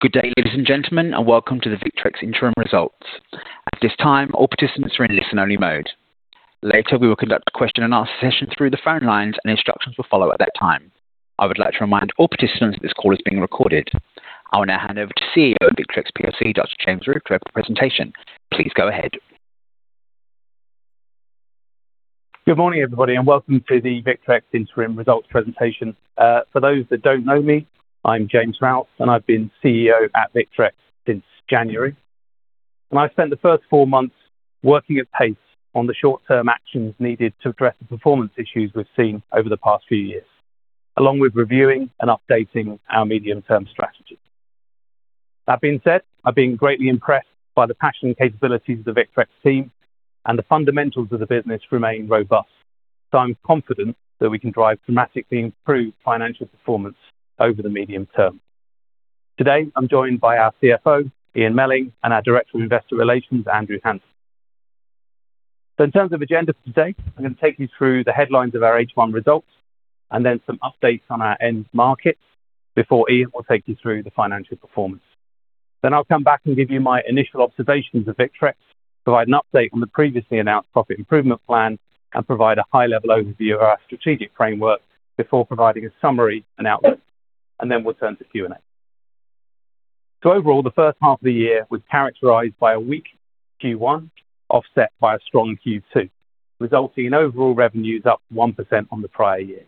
Good day, ladies and gentlemen, and welcome to the Victrex Interim Results. At this time, all participants are in listen-only mode. Later, we will conduct a question and answer session through the phone lines, and instructions will follow at that time. I would like to remind all participants that this call is being recorded. I will now hand over to CEO of Victrex PLC, Dr. James Routh, for the presentation. Please go ahead. Good morning, everybody, and welcome to the Victrex Interim Results presentation. For those that don't know me, I'm James Routh, and I've been CEO at Victrex since January. I spent the first four months working at pace on the short-term actions needed to address the performance issues we've seen over the past few years, along with reviewing and updating our medium-term strategy. That being said, I've been greatly impressed by the passion and capabilities of the Victrex team, and the fundamentals of the business remain robust. I'm confident that we can drive dramatically improved financial performance over the medium term. Today, I'm joined by our CFO, Ian Melling, and our Director of Investor Relations, Andrew Hanson. In terms of agenda for today, I'm gonna take you through the headlines of our H1 results and then some updates on our end market before Ian will take you through the financial performance. Then I'll come back and give you my initial observations of Victrex, provide an update on the previously announced profit improvement plan, and provide a high-level overview of our strategic framework before providing a summary and outlook. We'll turn to Q&A. Overall, the first half of the year was characterized by a weak Q1, offset by a strong Q2, resulting in overall revenues up 1% on the prior year.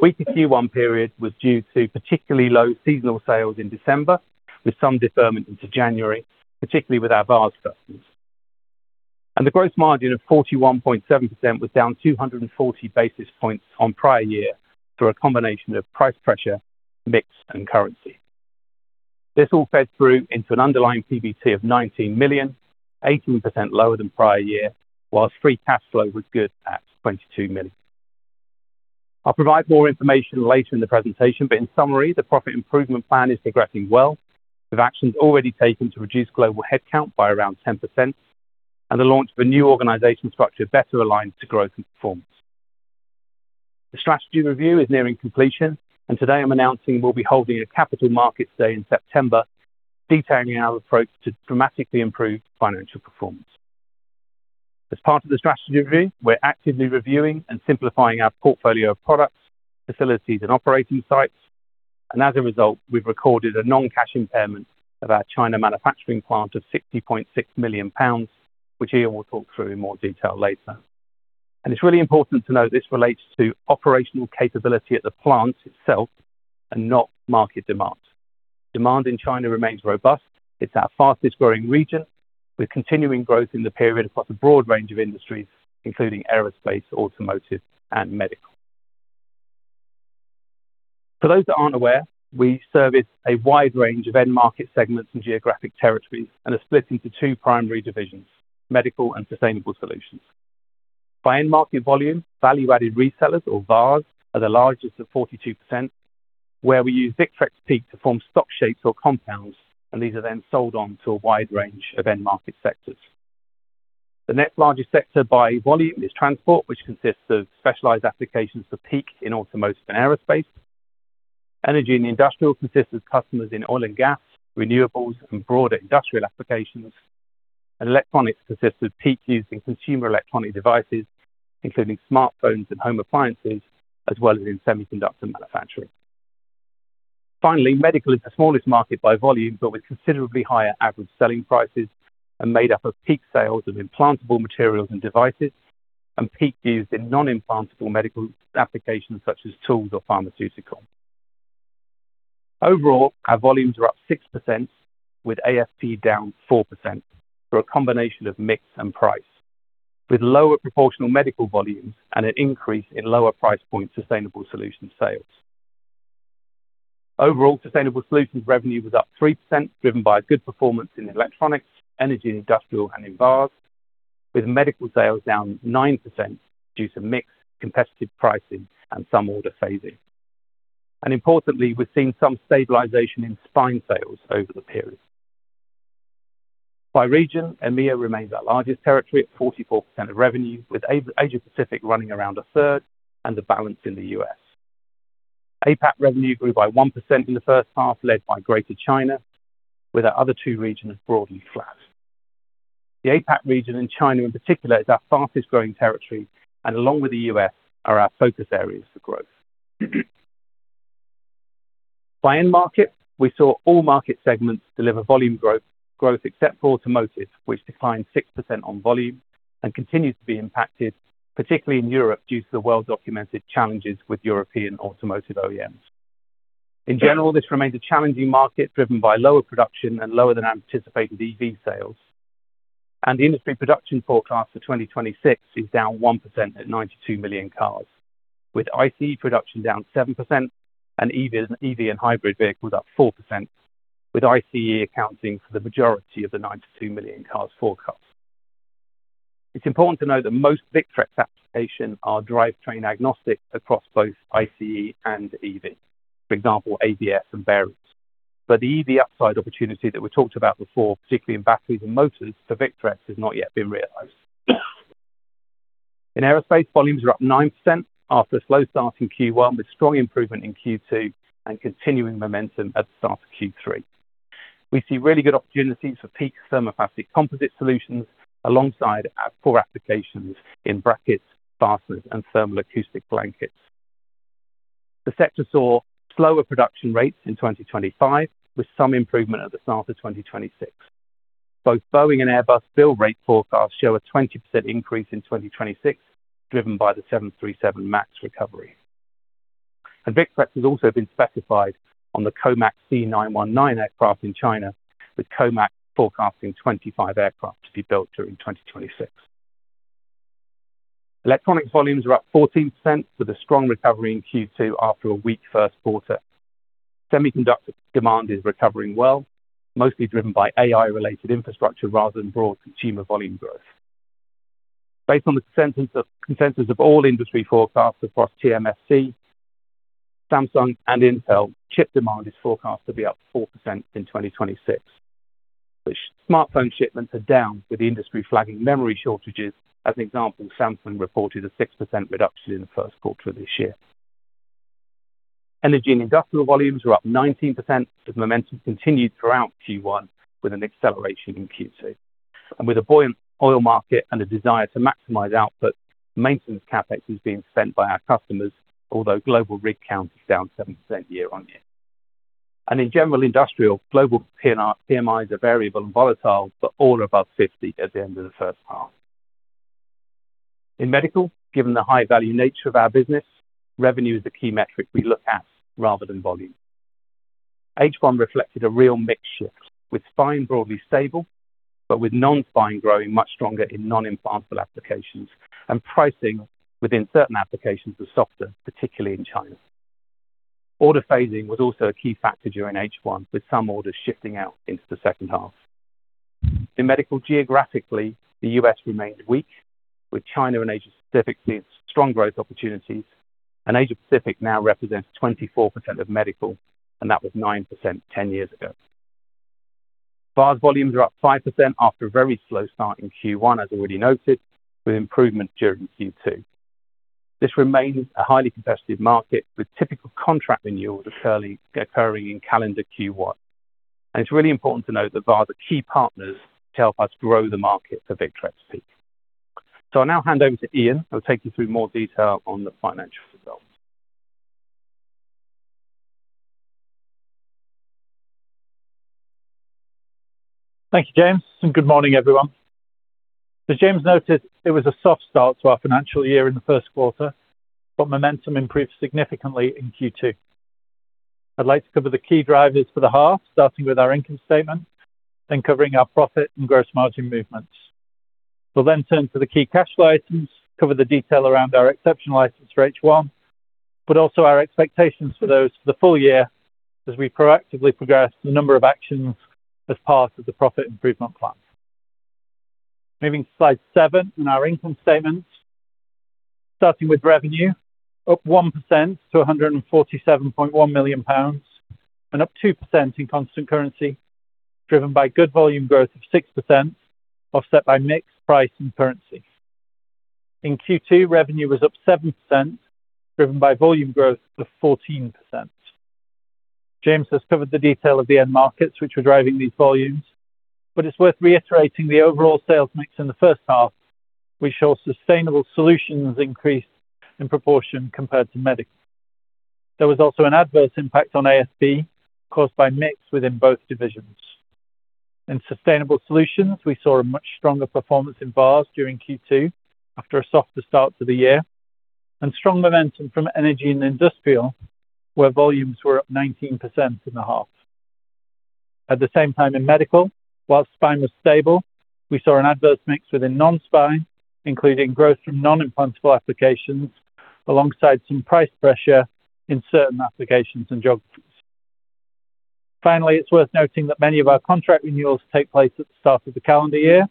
Weaker Q1 period was due to particularly low seasonal sales in December, with some deferment into January, particularly with our VARs customers. The gross margin of 41.7% was down 240 basis points on prior year through a combination of price pressure, mix, and currency. This all fed through into an underlying PBT of 19 million, 18% lower than prior year, whilst free cash flow was good at 22 million. I'll provide more information later in the presentation, but in summary, the profit improvement plan is progressing well with actions already taken to reduce global headcount by around 10% and the launch of a new organization structure better aligned to growth and performance. The strategy review is nearing completion, and today I'm announcing we'll be holding a Capital Markets Day in September, detailing our approach to dramatically improve financial performance. As part of the strategy review, we're actively reviewing and simplifying our portfolio of products, facilities, and operating sites. As a result, we've recorded a non-cash impairment of our China manufacturing plant of 60.6 million pounds, which Ian will talk through in more detail later. It's really important to note this relates to operational capability at the plant itself and not market demand. Demand in China remains robust. It's our fastest-growing region, with continuing growth in the period across a broad range of industries, including aerospace, automotive, and medical. For those that aren't aware, we service a wide range of end market segments and geographic territories and are split into two primary divisions, medical and sustainable solutions. By end market volume, value-added resellers or VARs are the largest at 42%, where we use VICTREX PEEK to form stock shapes or compounds, and these are then sold on to a wide range of end market sectors. The next largest sector by volume is transport, which consists of specialized applications for PEEK in automotive and aerospace. Energy and industrial consists of customers in oil and gas, renewables, and broader industrial applications. Electronics consists of PEEK used in consumer electronic devices, including smartphones and home appliances, as well as in semiconductor manufacturing. Finally, medical is the smallest market by volume, but with considerably higher average selling prices and made up of PEEK sales of implantable materials and devices and PEEK used in non-implantable medical applications such as tools or pharmaceutical. Overall, our volumes are up 6% with ASP down 4% through a combination of mix and price, with lower proportional medical volumes and an increase in lower price point sustainable solution sales. Overall, sustainable solutions revenue was up 3%, driven by good performance in electronics, energy and industrial, and in VARs, with medical sales down 9% due to mix, competitive pricing, and some order phasing. Importantly, we're seeing some stabilization in spine sales over the period. By region, EMEA remains our largest territory at 44% of revenue, with Asia Pacific running around a third and the balance in the U.S. APAC revenue grew by 1% in the first half, led by Greater China, with our other two regions broadly flat. The APAC region in China, in particular, is our fastest-growing territory, and along with the U.S., are our focus areas for growth. By end market, we saw all market segments deliver volume growth except for automotive, which declined 6% on volume and continues to be impacted, particularly in Europe, due to the well-documented challenges with European automotive OEMs. In general, this remains a challenging market driven by lower production and lower than anticipated EV sales. The industry production forecast for 2026 is down 1% at 92 million cars, with ICE production down 7% and EV and hybrid vehicles up 4%, with ICE accounting for the majority of the 92 million cars forecast. It's important to note that most Victrex applications are drivetrain agnostic across both ICE and EV. For example, ABS and bearings. The EV upside opportunity that we talked about before, particularly in batteries and motors for Victrex, has not yet been realized. In aerospace, volumes are up 9% after a slow start in Q1 with strong improvement in Q2 and continuing momentum at the start of Q3. We see really good opportunities for PEEK thermoplastic composite solutions alongside our core applications in brackets, fasteners, and thermal acoustic blankets. The sector saw slower production rates in 2025, with some improvement at the start of 2026. Both Boeing and Airbus build rate forecasts show a 20% increase in 2026, driven by the 737 MAX recovery. Victrex has also been specified on the COMAC C919 aircraft in China, with COMAC forecasting 25 aircraft to be built during 2026. Electronics volumes are up 14% with a strong recovery in Q2 after a weak first quarter. Semiconductor demand is recovering well, mostly driven by AI-related infrastructure rather than broad consumer volume growth. Based on the consensus of all industry forecasts across TSMC, Samsung and Intel, chip demand is forecast to be up 4% in 2026. Smartphone shipments are down, with the industry flagging memory shortages. As an example, Samsung reported a 6% reduction in the first quarter of this year. Energy and industrial volumes are up 19%, with momentum continued throughout Q1 with an acceleration in Q2. With a buoyant oil market and a desire to maximize output, maintenance CapEx is being spent by our customers, although global rig count is down 7% year-on-year. In general industrial, global PMIs are variable and volatile, but all above 50 at the end of the first half. In medical, given the high value nature of our business, revenue is the key metric we look at rather than volume. H1 reflected a real mix shift, with spine broadly stable but with non-spine growing much stronger in non-implantable applications. Pricing within certain applications was softer, particularly in China. Order phasing was also a key factor during H1, with some orders shifting out into the second half. In medical geographically, the U.S. remained weak, with China and Asia-Pacific seeing strong growth opportunities. Asia-Pacific now represents 24% of medical, and that was 9% 10 years ago. VARs volumes are up 5% after a very slow start in Q1, as already noted, with improvement during Q2. This remains a highly competitive market, with typical contract renewals occurring in calendar Q1. It is really important to note that VARs are key partners to help us grow the market for VICTREX PEEK. I will now hand over to Ian, who will take you through more detail on the financial results. Thank you, James. Good morning, everyone. As James noted, it was a soft start to our financial year in the first quarter, but momentum improved significantly in Q2. I'd like to cover the key drivers for the half, starting with our income statement, then covering our profit and gross margin movements. We'll then turn to the key cash items, cover the detail around our exceptional items for H1, but also our expectations for those for the full year as we proactively progress the number of actions as part of the Profit Improvement Plan. Moving to slide seven in our income statement. Starting with revenue, up 1% to 147.1 million pounds and up 2% in constant currency, driven by good volume growth of 6%, offset by mix, price, and currency. In Q2, revenue was up 7%, driven by volume growth of 14%. James has covered the detail of the end markets which are driving these volumes, but it's worth reiterating the overall sales mix in the first half, which saw Sustainable Solutions increase in proportion compared to Medical. There was also an adverse impact on ASP caused by mix within both divisions. In Sustainable Solutions, we saw a much stronger performance in VARs during Q2 after a softer start to the year, and strong momentum from Energy and Industrial, where volumes were up 19% in the half. At the same time in Medical, while Spine was stable, we saw an adverse mix within Non-Spine, including growth from non-implantable applications alongside some price pressure in certain applications and geographies. Finally, it's worth noting that many of our contract renewals take place at the start of the calendar year,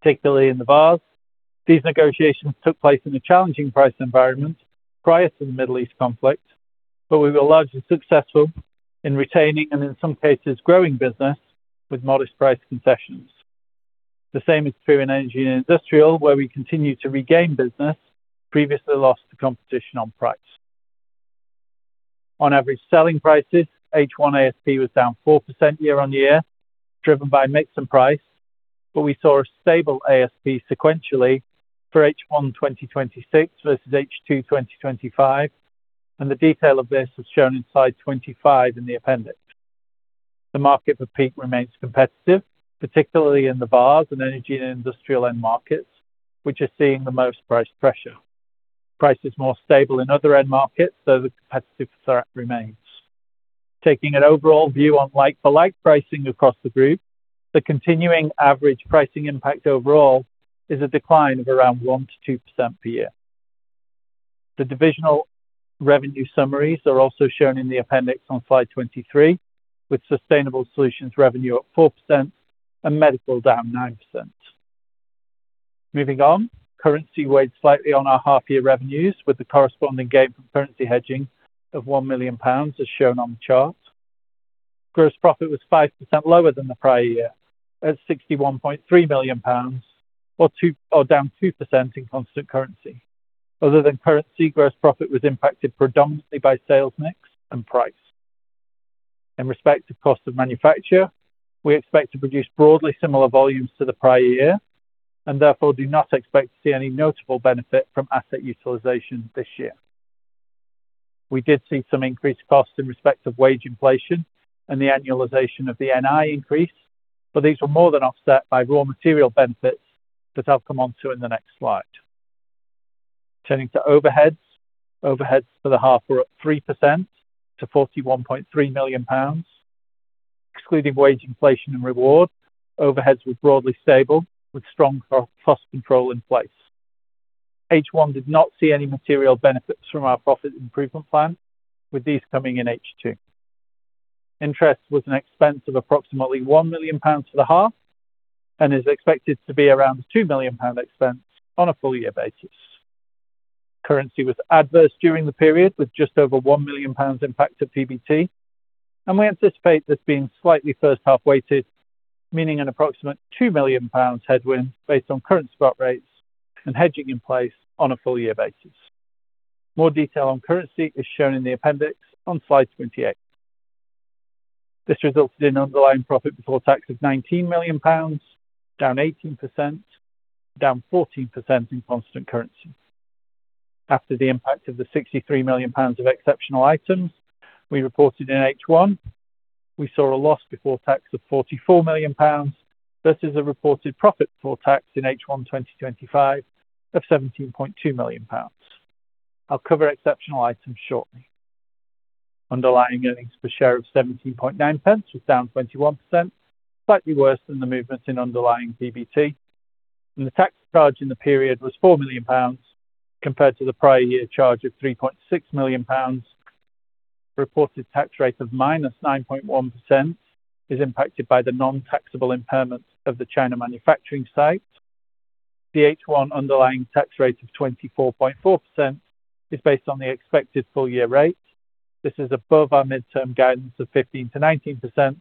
particularly in the VARs. These negotiations took place in a challenging price environment prior to the Middle East conflict, but we were largely successful in retaining and, in some cases, growing business with modest price concessions. The same is true in energy and industrial, where we continue to regain business previously lost to competition on price. On average selling prices, H1 ASP was down 4% year-on-year, driven by mix and price, but we saw a stable ASP sequentially for H1 2026 versus H2 2025, and the detail of this is shown in slide 25 in the appendix. The market for PEEK remains competitive, particularly in the VARs and energy and industrial end markets, which are seeing the most price pressure. Price is more stable in other end markets, though the competitive threat remains. Taking an overall view on like-for-like pricing across the group, the continuing average pricing impact overall is a decline of around 1%-2% per year. The divisional revenue summaries are also shown in the appendix on slide 23, with sustainable solutions revenue up 4% and medical down 9%. Currency weighed slightly on our half year revenues, with the corresponding gain from currency hedging of 1 million pounds as shown on the chart. Gross profit was 5% lower than the prior year at 61.3 million pounds, or down 2% in constant currency. Other than currency, gross profit was impacted predominantly by sales mix and price. In respect to cost of manufacture, we expect to produce broadly similar volumes to the prior year and therefore do not expect to see any notable benefit from asset utilization this year. In respect of wage inflation and the annualization of the NI increase, these were more than offset by raw material benefits that I'll come onto in the next slide. Turning to overheads. Overheads for the half were up 3% to 41.3 million pounds. Excluding wage inflation and reward, overheads were broadly stable with strong cost control in place. H1 did not see any material benefits from our profit improvement plan, with these coming in H2. Interest was an expense of approximately 1 million pounds for the half and is expected to be around 2 million pound expense on a full year basis. Currency was adverse during the period, with just over 1 million pounds impact to PBT, and we anticipate this being slightly first half weighted, meaning an approximate 2 million pounds headwind based on current spot rates and hedging in place on a full year basis. More detail on currency is shown in the appendix on slide 28. This resulted in underlying profit before tax of 19 million pounds, down 18%, down 14% in constant currency. After the impact of the 63 million pounds of exceptional items we reported in H1, we saw a loss before tax of 44 million pounds versus a reported profit before tax in H1 2025 of 17.2 million pounds. I will cover exceptional items shortly. Underlying earnings per share of 0.179 was down 21%, slightly worse than the movement in underlying PBT. The tax charge in the period was 4 million pounds compared to the prior year charge of 3.6 million pounds. Reported tax rate of -9.1% is impacted by the non-taxable impairment of the China manufacturing site. The H1 underlying tax rate of 24.4% is based on the expected full year rate. This is above our midterm guidance of 15%-19%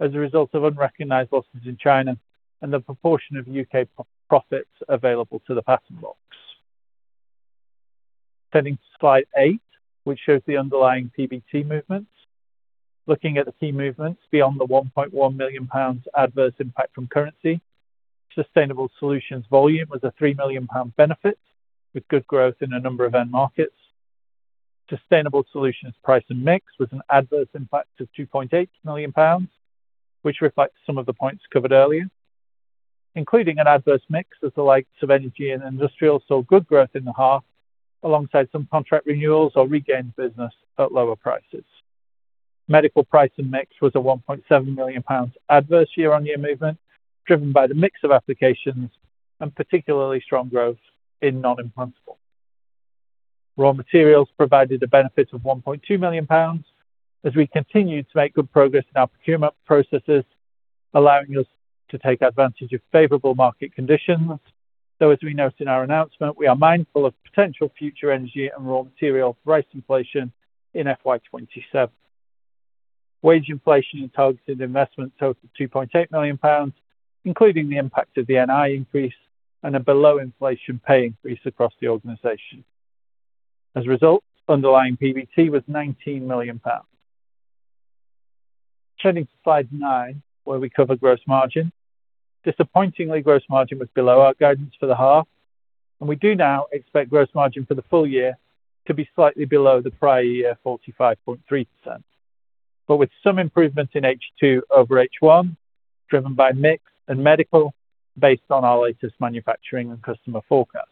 as a result of unrecognized losses in China and the proportion of U.K. profits available to the Patent Box. Turning to slide eight, which shows the underlying PBT movement. Looking at the key movements beyond the 1.1 million pounds adverse impact from currency, Sustainable Solutions volume was a 3 million pound benefit with good growth in a number of end markets. Sustainable Solutions price and mix was an adverse impact of 2.8 million pounds, which reflects some of the points covered earlier. Including an adverse mix as the likes of energy and industrial saw good growth in the half, alongside some contract renewals or regained business at lower prices. Medical price and mix was a 1.7 million pounds adverse year-on-year movement, driven by the mix of applications and particularly strong growth in non-implantable. Raw materials provided a benefit of 1.2 million pounds as we continued to make good progress in our procurement processes, allowing us to take advantage of favorable market conditions. As we note in our announcement, we are mindful of potential future energy and raw material price inflation in FY 2027. Wage inflation and targeted investment totaled 2.8 million pounds, including the impact of the NI increase and a below inflation pay increase across the organization. As a result, underlying PBT was 19 million pounds. Turning to slide nine, where we cover gross margin. Disappointingly, gross margin was below our guidance for the half, and we do now expect gross margin for the full year to be slightly below the prior year, 45.3%. With some improvements in H2 over H1, driven by mix and medical based on our latest manufacturing and customer forecasts.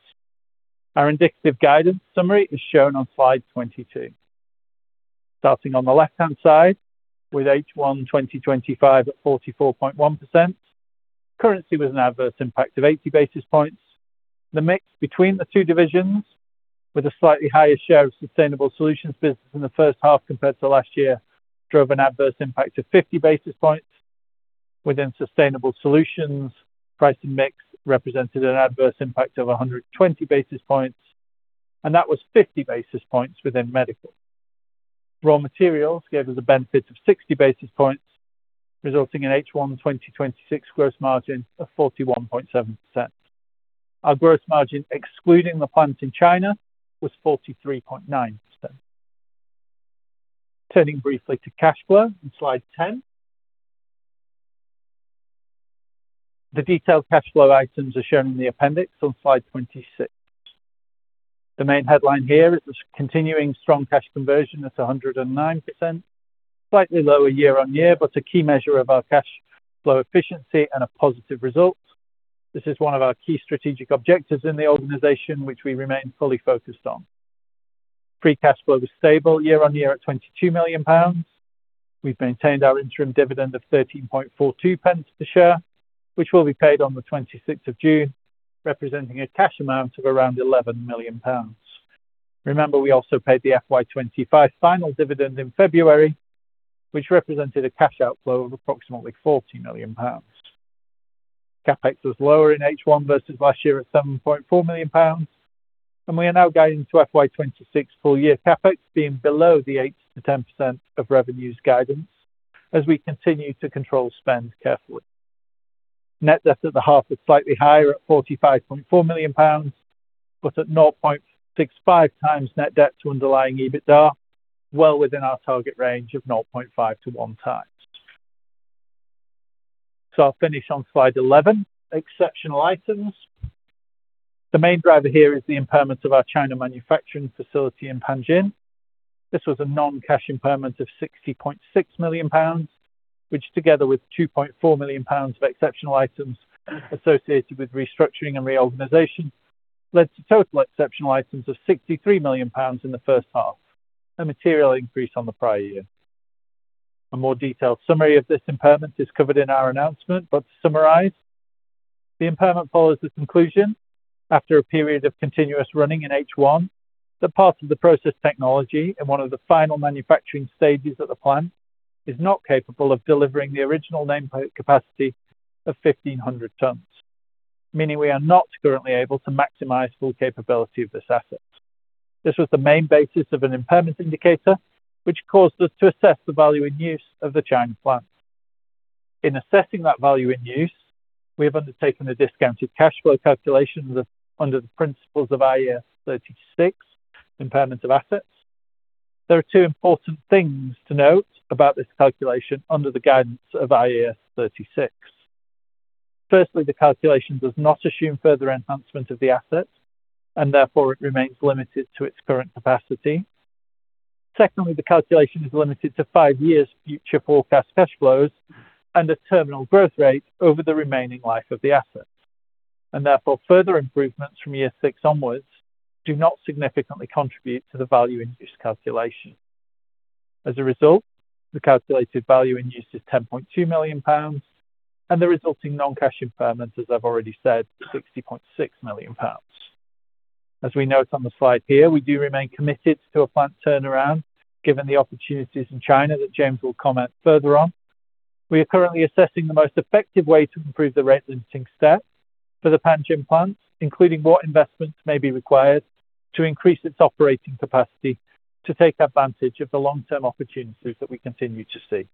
Our indicative guidance summary is shown on slide 22. Starting on the left-hand side with H1 2025 at 44.1%, currency was an adverse impact of 80 basis points. The mix between the two divisions, with a slightly higher share of Sustainable Solutions business in the first half compared to last year, drove an adverse impact of 50 basis points. Within Sustainable Solutions, price and mix represented an adverse impact of 120 basis points, and that was 50 basis points within Medical. Raw materials gave us a benefit of 60 basis points, resulting in H1 2026 gross margin of 41.7%. Our gross margin, excluding the plant in China, was 43.9%. Turning briefly to cash flow on slide 10. The detailed cash flow items are shown in the appendix on slide 26. The main headline here is the continuing strong cash conversion at 109%, slightly lower year-on-year, but a key measure of our cash flow efficiency and a positive result. This is one of our key strategic objectives in the organization, which we remain fully focused on. Free cash flow was stable year-on-year at 22 million pounds. We've maintained our interim dividend of 0.1342 per share, which will be paid on the 26th of June, representing a cash amount of around 11 million pounds. Remember, we also paid the FY 2025 final dividend in February, which represented a cash outflow of approximately 40 million pounds. CapEx was lower in H1 versus last year at 7.4 million pounds, and we are now guiding to FY 2026 full year CapEx being below the 8%-10% of revenues guidance as we continue to control spend carefully. Net debt at the half is slightly higher at 45.4 million pounds, but at 0.65x net debt to underlying EBITDA, well within our target range of 0.5-1 times. I'll finish on slide 11. Exceptional items. The main driver here is the impairment of our China manufacturing facility in Panjin. This was a non-cash impairment of 60.6 million pounds, which together with 2.4 million pounds of exceptional items associated with restructuring and reorganization, led to total exceptional items of 63 million pounds in the first half, a material increase on the prior year. A more detailed summary of this impairment is covered in our announcement. To summarize, the impairment follows the conclusion after a period of continuous running in H1 that parts of the process technology in one of the final manufacturing stages at the plant is not capable of delivering the original nameplate capacity of 1,500 tons, meaning we are not currently able to maximize full capability of this asset. This was the main basis of an impairment indicator, which caused us to assess the value in use of the China plant. In assessing that value in use, we have undertaken a discounted cash flow calculation under the principles of IAS 36, impairment of assets. There are two important things to note about this calculation under the guidance of IAS 36. Firstly, the calculation does not assume further enhancement of the asset, and therefore it remains limited to its current capacity. Secondly, the calculation is limited to five years future forecast cash flows and a terminal growth rate over the remaining life of the asset, and therefore, further improvements from year six onwards do not significantly contribute to the value in this calculation. As a result, the calculated value in use is 10.2 million pounds, and the resulting non-cash impairment, as I've already said, 60.6 million pounds. As we note on the slide here, we do remain committed to a plant turnaround, given the opportunities in China that James will comment further on. We are currently assessing the most effective way to improve the rate limiting step for the Panjin plant, including what investments may be required to increase its operating capacity to take advantage of the long-term opportunities that we continue to see.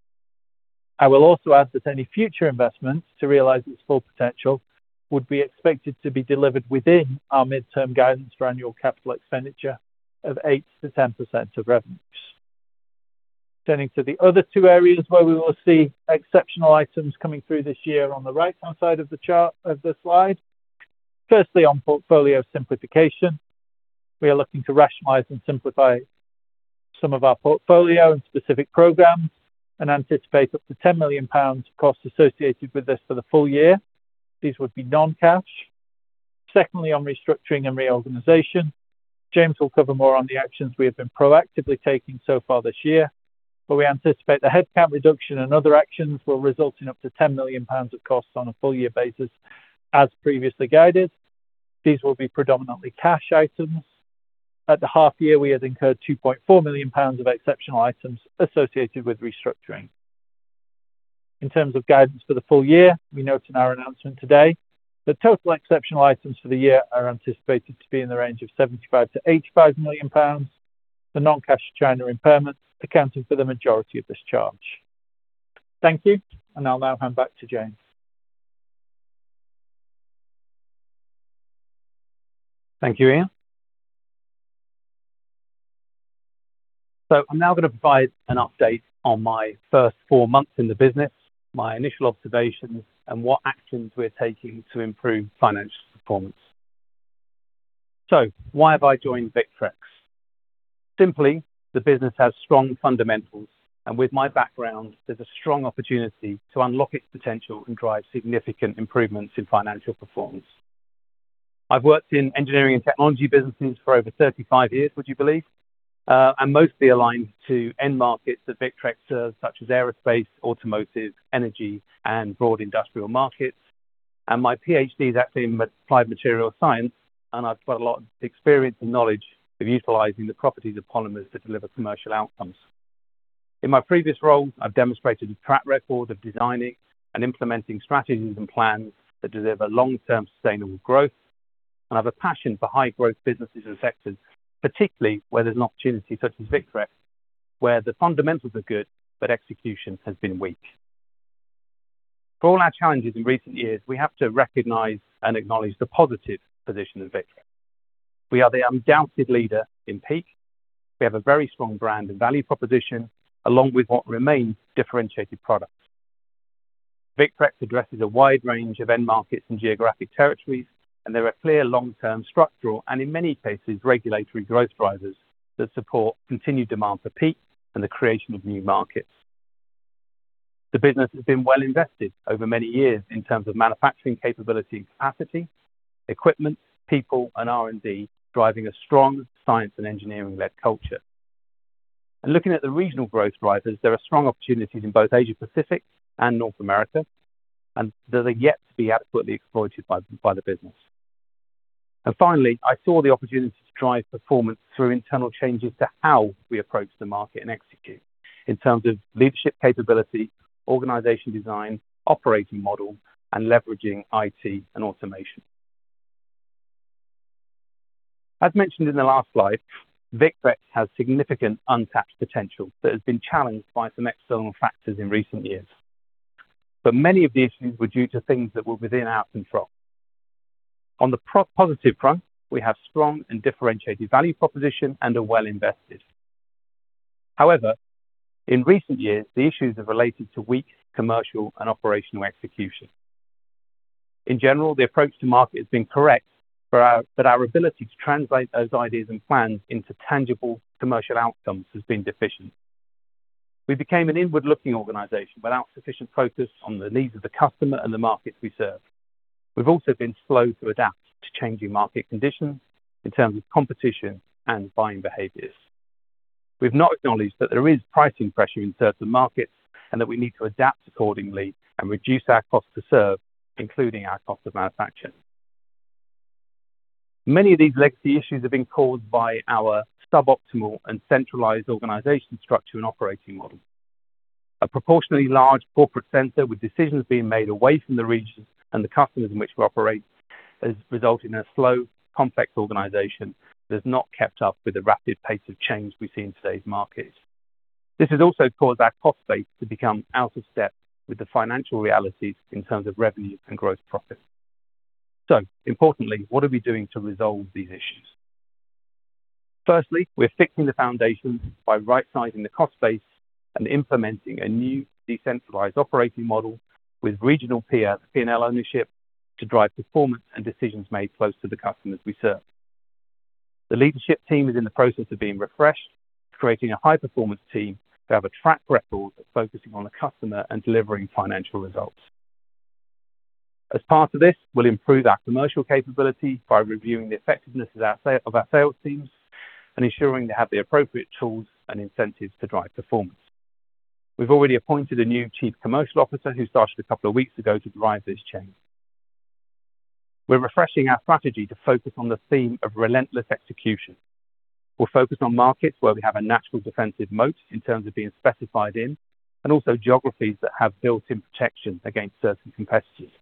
I will also add that any future investments to realize its full potential would be expected to be delivered within our midterm guidance for annual capital expenditure of 8%-10% of revenues. Turning to the other two areas where we will see exceptional items coming through this year on the right-hand side of the chart of the slide. On portfolio simplification, we are looking to rationalize and simplify some of our portfolio and specific programs and anticipate up to 10 million pounds cost associated with this for the full year. These would be non-cash. On restructuring and reorganization, James will cover more on the actions we have been proactively taking so far this year, but we anticipate the headcount reduction and other actions will result in up to 10 million pounds of costs on a full year basis as previously guided. These will be predominantly cash items. At the half year, we had incurred 2.4 million pounds of exceptional items associated with restructuring. In terms of guidance for the full year, we note in our announcement today that total exceptional items for the year are anticipated to be in the range of 75 million-85 million pounds, the non-cash China impairment accounting for the majority of this charge. Thank you, and I'll now hand back to James. Thank you, Ian. I'm now going to provide an update on my first four months in the business, my initial observations, and what actions we're taking to improve financial performance. Why have I joined Victrex? Simply, the business has strong fundamentals, and with my background, there's a strong opportunity to unlock its potential and drive significant improvements in financial performance. I've worked in engineering and technology businesses for over 35 years, would you believe? and mostly aligned to end markets that Victrex serves, such as aerospace, automotive, energy, and broad industrial markets. My PhD is actually in applied material science, I've got a lot of experience and knowledge of utilizing the properties of polymers to deliver commercial outcomes. In my previous role, I've demonstrated a track record of designing and implementing strategies and plans that deliver long-term sustainable growth. I have a passion for high growth businesses and sectors, particularly where there's an opportunity such as Victrex, where the fundamentals are good, but execution has been weak. For all our challenges in recent years, we have to recognize and acknowledge the positive position of Victrex. We are the undoubted leader in PEEK. We have a very strong brand and value proposition, along with what remains differentiated products. Victrex addresses a wide range of end markets and geographic territories, and there are clear long-term structural, and in many cases, regulatory growth drivers that support continued demand for PEEK and the creation of new markets. The business has been well invested over many years in terms of manufacturing capability and capacity, equipment, people, and R&D, driving a strong science and engineering-led culture. Looking at the regional growth drivers, there are strong opportunities in both Asia-Pacific and North America, and they're yet to be adequately exploited by the business. Finally, I saw the opportunity to drive performance through internal changes to how we approach the market and execute in terms of leadership capability, organization design, operating model, and leveraging IT and automation. As mentioned in the last slide, Victrex has significant untapped potential that has been challenged by some external factors in recent years. Many of the issues were due to things that were within our control. On the positive front, we have strong and differentiated value proposition and are well invested. However, in recent years, the issues have related to weak commercial and operational execution. In general, the approach to market has been correct, but our ability to translate those ideas and plans into tangible commercial outcomes has been deficient. We became an inward-looking organization without sufficient focus on the needs of the customer and the markets we serve. We've also been slow to adapt to changing market conditions in terms of competition and buying behaviors. We've not acknowledged that there is pricing pressure in certain markets, and that we need to adapt accordingly and reduce our cost to serve, including our cost of manufacture. Many of these legacy issues have been caused by our suboptimal and centralized organization structure and operating model. A proportionally large corporate center with decisions being made away from the regions and the customers in which we operate has resulted in a slow, complex organization that has not kept up with the rapid pace of change we see in today's markets. This has also caused our cost base to become out of step with the financial realities in terms of revenue and gross profit. Importantly, what are we doing to resolve these issues? Firstly, we're fixing the foundation by right-sizing the cost base and implementing a new decentralized operating model with regional peer PNL ownership to drive performance and decisions made close to the customers we serve. The leadership team is in the process of being refreshed, creating a high-performance team to have a track record of focusing on the customer and delivering financial results. As part of this, we'll improve our commercial capability by reviewing the effectiveness of our sales teams and ensuring they have the appropriate tools and incentives to drive performance. We've already appointed a new Chief Commercial Officer who started a couple of weeks ago to drive this change. We're refreshing our strategy to focus on the theme of relentless execution. We're focused on markets where we have a natural defensive moat in terms of being specified in, and also geographies that have built-in protection against certain competitors.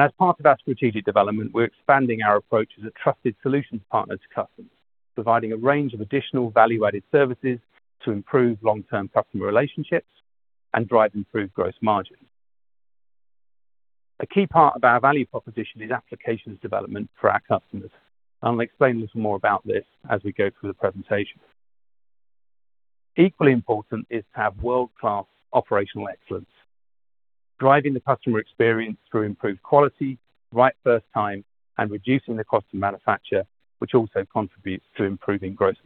As part of our strategic development, we're expanding our approach as a trusted solutions partner to customers, providing a range of additional value-added services to improve long-term customer relationships and drive improved gross margins. A key part of our value proposition is applications development for our customers. I'll explain a little more about this as we go through the presentation. Equally important is to have world-class operational excellence. Driving the customer experience through improved quality, right first time, and reducing the cost of manufacture, which also contributes to improving gross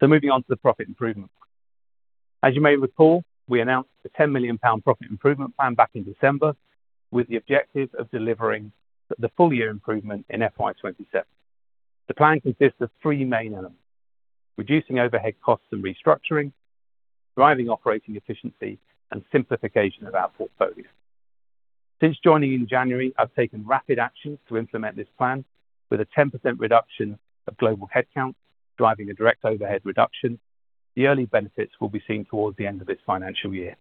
margin. Moving on to the profit improvement. As you may recall, we announced the 10 million pound profit improvement plan back in December with the objective of delivering the full year improvement in FY 2027. The plan consists of three main elements: reducing overhead costs and restructuring, driving operating efficiency, and simplification of our portfolio. Since joining in January, I've taken rapid action to implement this plan with a 10% reduction of global headcount, driving a direct overhead reduction. The early benefits will be seen towards the end of this financial year.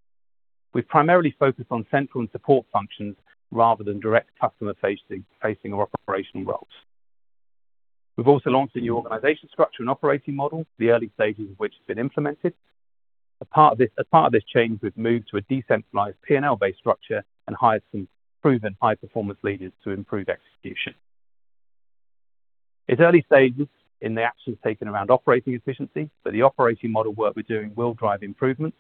We've primarily focused on central and support functions rather than direct customer facing or operational roles. We've also launched a new organization structure and operating model, the early stages of which have been implemented. As part of this change, we've moved to a decentralized P&L based structure and hired some proven high-performance leaders to improve execution. It's early stages in the actions taken around operating efficiency. The operating model work we're doing will drive improvements.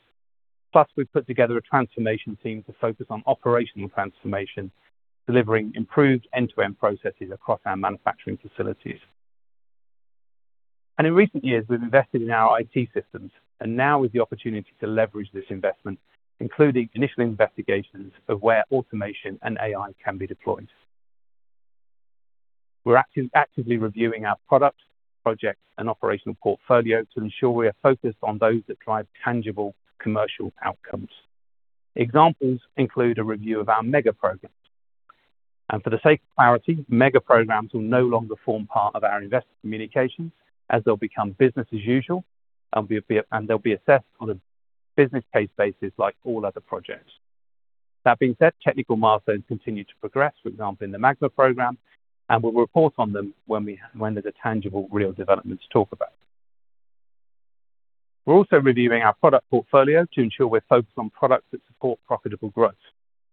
We've put together a transformation team to focus on operational transformation, delivering improved end-to-end processes across our manufacturing facilities. In recent years, we've invested in our IT systems, and now is the opportunity to leverage this investment, including initial investigations of where automation and AI can be deployed. We're actively reviewing our products, projects and operational portfolio to ensure we are focused on those that drive tangible commercial outcomes. Examples include a review of our mega-programs. For the sake of clarity, mega-programs will no longer form part of our investor communications as they'll become business as usual and they'll be assessed on a business case basis like all other projects. That being said, technical milestones continue to progress, for example, in the Magma program. We'll report on them when there's a tangible, real development to talk about. We're also reviewing our product portfolio to ensure we're focused on products that support profitable growth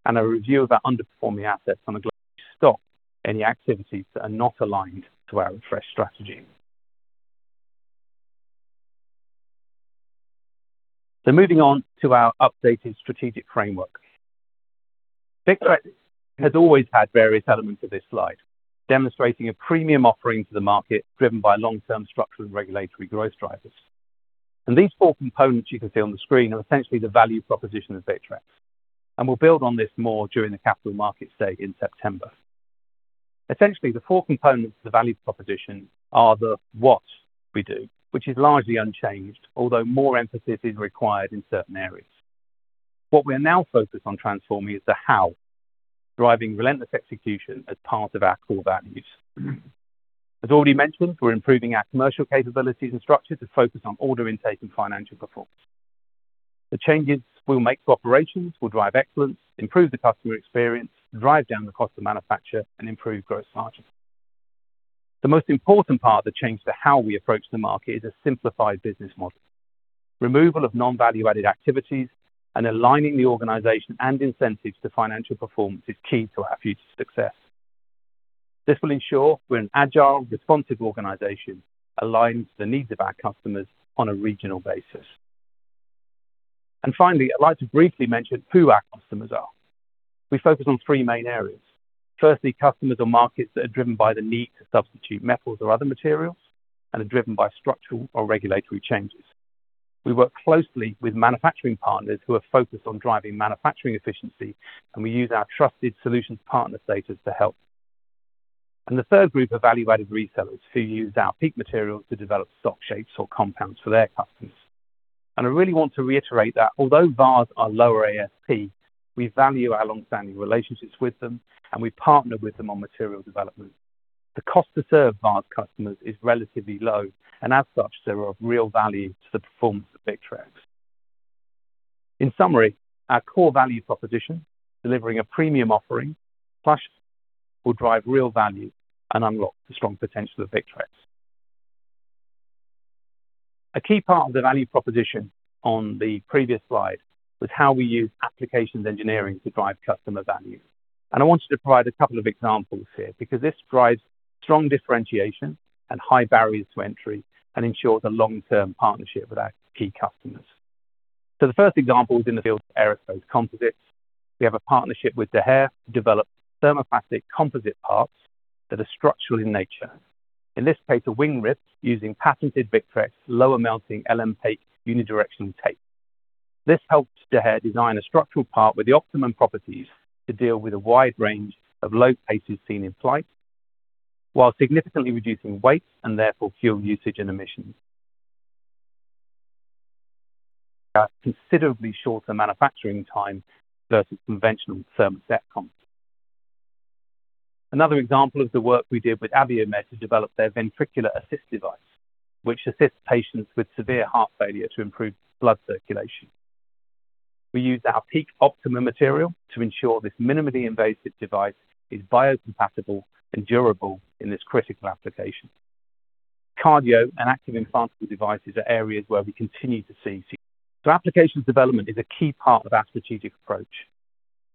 and a review of our underperforming assets on a global stop any activities that are not aligned to our refreshed strategy. Moving on to our updated strategic framework. Victrex has always had various elements of this slide, demonstrating a premium offering to the market driven by long-term structural and regulatory growth drivers. These four components you can see on the screen are essentially the value proposition of Victrex. We'll build on this more during the Capital Markets Day in September. Essentially, the four components of the value proposition are the what we do, which is largely unchanged, although more emphasis is required in certain areas. What we're now focused on transforming is the how, driving relentless execution as part of our core values. As already mentioned, we're improving our commercial capabilities and structure to focus on order intake and financial performance. The changes we'll make to operations will drive excellence, improve the customer experience, drive down the cost of manufacture, and improve gross margin. The most important part of the change to how we approach the market is a simplified business model. Removal of non-value-added activities and aligning the organization and incentives to financial performance is key to our future success. This will ensure we're an agile, responsive organization aligned to the needs of our customers on a regional basis. Finally, I'd like to briefly mention who our customers are. We focus on three main areas. Firstly, customers or markets that are driven by the need to substitute metals or other materials and are driven by structural or regulatory changes. We work closely with manufacturing partners who are focused on driving manufacturing efficiency, and we use our trusted solutions partner status to help. The third group are Value-Added Resellers who use our PEEK material to develop stock shapes or compounds for their customers. I really want to reiterate that although VARs are lower ASP, we value our long-standing relationships with them, and we partner with them on material development. The cost to serve VARs customers is relatively low, as such, they are of real value to the performance of Victrex. In summary, our core value proposition, delivering a premium offering plus will drive real value and unlock the strong potential of Victrex. A key part of the value proposition on the previous slide was how we use applications engineering to drive customer value. I wanted to provide a couple of examples here because this drives strong differentiation and high barriers to entry and ensures a long-term partnership with our key customers. The first example is in the field of aerospace composites. We have a partnership with Daher to develop thermoplastic composite parts that are structural in nature. In this case, a wing rib using patented Victrex lower melting LMPAEK unidirectional tape. This helps Daher design a structural part with the optimum properties to deal with a wide range of load cases seen in flight, while significantly reducing weight and therefore fuel usage and emissions. A considerably shorter manufacturing time versus conventional thermoset comps. Another example is the work we did with Abiomed to develop their ventricular assist device, which assists patients with severe heart failure to improve blood circulation. We used our PEEK-OPTIMA material to ensure this minimally invasive device is biocompatible and durable in this critical application. Applications development is a key part of our strategic approach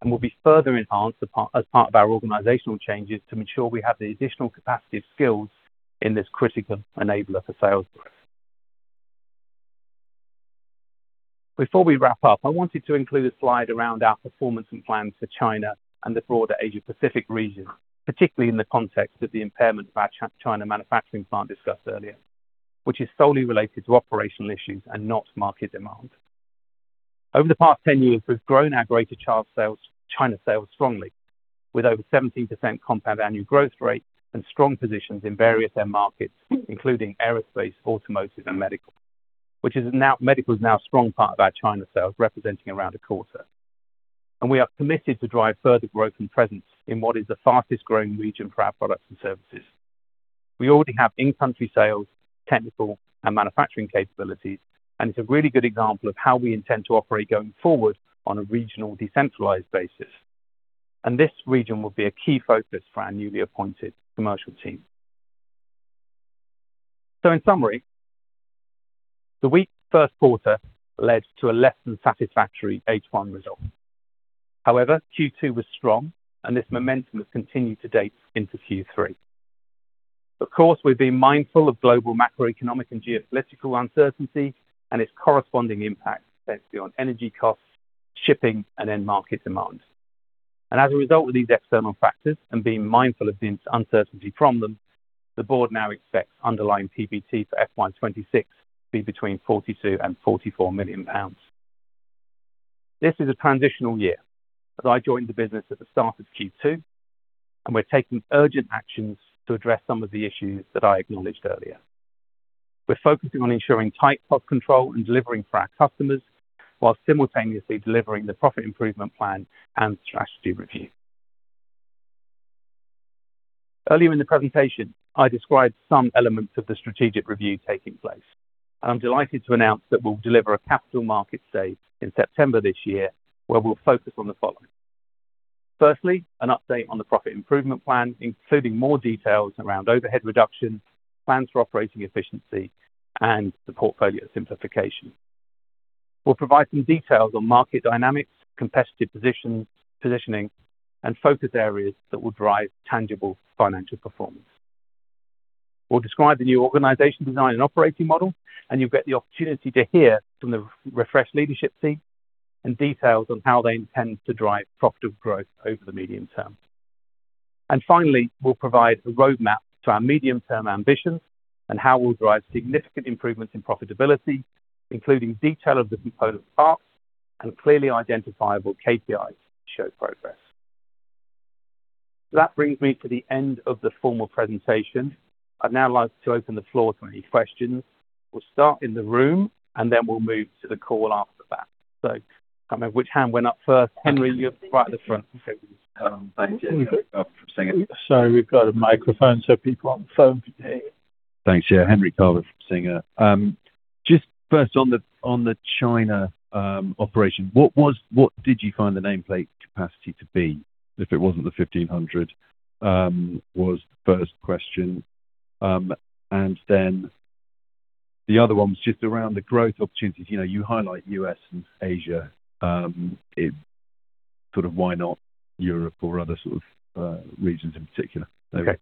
and will be further enhanced as part of our organizational changes to ensure we have the additional capacity of skills in this critical enabler for sales growth. Before we wrap up, I wanted to include a slide around our performance and plans for China and the broader Asia Pacific region, particularly in the context of the impairment of our China manufacturing plant discussed earlier, which is solely related to operational issues and not market demand. Over the past 10 years, we've grown our greater China sales strongly with over 17% compound annual growth rate and strong positions in various end markets, including aerospace, automotive, and medical. Medical is now a strong part of our China sales, representing around a quarter. We are committed to drive further growth and presence in what is the fastest-growing region for our products and services. We already have in-country sales, technical, and manufacturing capabilities, and it's a really good example of how we intend to operate going forward on a regional decentralized basis. This region will be a key focus for our newly appointed commercial team. In summary, the weak first quarter led to a less than satisfactory H1 result. However, Q2 was strong, and this momentum has continued to date into Q3. Of course, we've been mindful of global macroeconomic and geopolitical uncertainty and its corresponding impact, especially on energy costs, shipping, and end market demand. As a result of these external factors and being mindful of the uncertainty from them, the board now expects underlying PBT for FY 2026 to be between 42 million and 44 million pounds. This is a transitional year, as I joined the business at the start of Q2, and we're taking urgent actions to address some of the issues that I acknowledged earlier. We're focusing on ensuring tight cost control and delivering for our customers while simultaneously delivering the profit improvement plan and strategy review. Earlier in the presentation, I described some elements of the strategic review taking place, I'm delighted to announce that we'll deliver a Capital Market Day in September this year, where we'll focus on the following. Firstly, an update on the profit improvement plan, including more details around overhead reduction, plans for operating efficiency, and the portfolio simplification. We'll provide some details on market dynamics, competitive positioning, and focus areas that will drive tangible financial performance. We'll describe the new organization design and operating model, you'll get the opportunity to hear from the refreshed leadership team and details on how they intend to drive profitable growth over the medium term. Finally, we'll provide a roadmap to our medium-term ambitions and how we'll drive significant improvements in profitability, including detail of the proposed parts and clearly identifiable KPIs to show progress. That brings me to the end of the formal presentation. I'd now like to open the floor to any questions. We'll start in the room, and then we'll move to the call after that. I can't remember which hand went up first. Henry, you're right at the front. Thanks. Henry Carver from Singer. Sorry, we've got a microphone so people on the phone can hear you. Thanks. Yeah, Henry Carver from Singer. Just first on the China operation, what did you find the nameplate capacity to be if it wasn't the 1,500, was the first question? Then the other one was just around the growth opportunities. You know, you highlight U.S. and Asia, sort of why not Europe or other sort of regions in particular? Okay.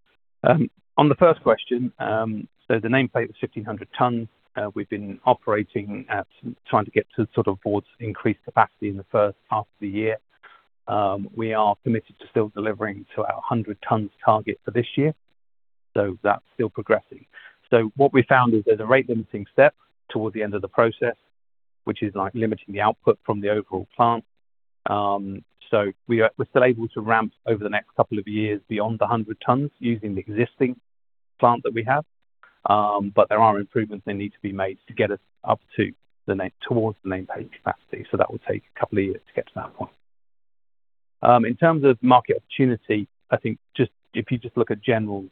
On the first question, the nameplate was 1,500 tons. We've been operating at trying to get to sort of towards increased capacity in the first half of the year. We are committed to still delivering to our 100 tons target for this year, that's still progressing. What we found is there's a rate limiting step towards the end of the process, which is, like, limiting the output from the overall plant. We're still able to ramp over the next couple of years beyond the 100 tons using the existing plant that we have. There are improvements that need to be made to get us up towards the nameplate capacity. That will take a couple of years to get to that point. In terms of market opportunity, I think if you just look at general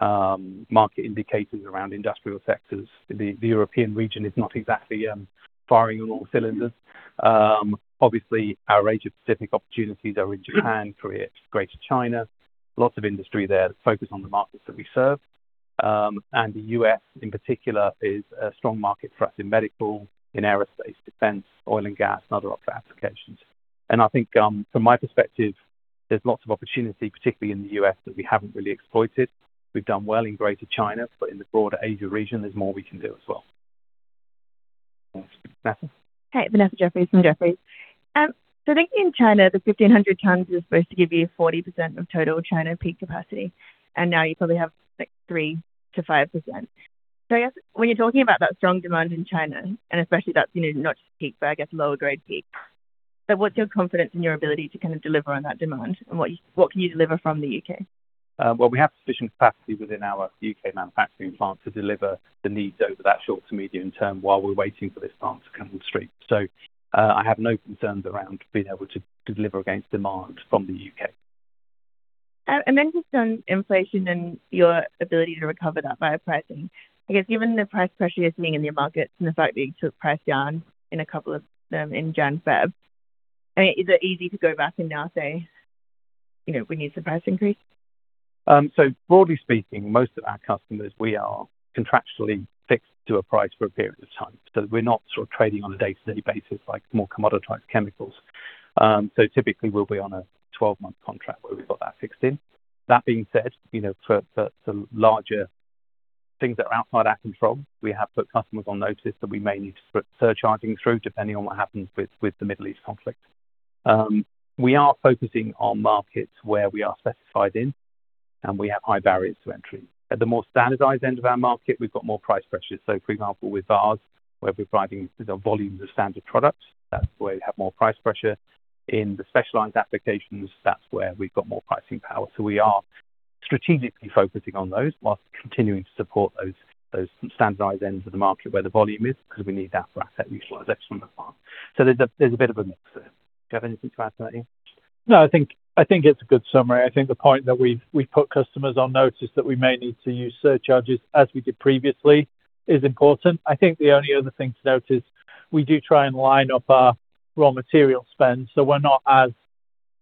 market indicators around industrial sectors, the European region is not exactly firing on all cylinders. Obviously, our Asia-Pacific opportunities are in Japan, Korea, Greater China. Lots of industry there that focus on the markets that we serve. And the U.S. in particular is a strong market for us in medical, in aerospace, defense, oil and gas, and other applications. And I think, from my perspective, there's lots of opportunity, particularly in the U.S., that we haven't really exploited. We've done well in Greater China, but in the broader Asia region, there's more we can do as well. Vanessa. Hey, Vanessa Jeffriess from Jefferies. I think in China, the 1,500 tons is supposed to give you 40% of total China PEEK capacity, and now you probably have, like, 3%-5%. I guess when you're talking about that strong demand in China, and especially that's, you know, not just PEEK, but I guess lower grade PEEK. What's your confidence in your ability to kind of deliver on that demand and what can you deliver from the U.K.? Well, we have sufficient capacity within our U.K. manufacturing plant to deliver the needs over that short to medium term while we're waiting for this plant to come on stream. I have no concerns around being able to deliver against demand from the U.K. Just on inflation and your ability to recover that via pricing. I guess given the price pressure you are seeing in your markets and the fact that you took price down in a couple of them in Jan/Feb, I mean, is it easy to go back and now say, you know, we need some price increase? Broadly speaking, most of our customers, we are contractually fixed to a price for a period of time. We're not sort of trading on a day-to-day basis like more commoditized chemicals. Typically, we'll be on a 12-month contract where we've got that fixed in. That being said, you know, for the larger things that are outside our control, we have put customers on notice that we may need to put surcharging through, depending on what happens with the Middle East conflict. We are focusing on markets where we are specified in, and we have high barriers to entry. At the more standardized end of our market, we've got more price pressures. For example, with VARs, where we're providing the volumes of standard products, that's where we have more price pressure. In the specialized applications, that's where we've got more pricing power. We are strategically focusing on those whilst continuing to support those standardized ends of the market where the volume is because we need that for asset utilization on the plant. There's a bit of a mix there. Do you have anything to add to that, Ian? No, I think, I think it's a good summary. I think the point that we've, we put customers on notice that we may need to use surcharges as we did previously is important. I think the only other thing to note is we do try and line up our raw material spend, so we're not as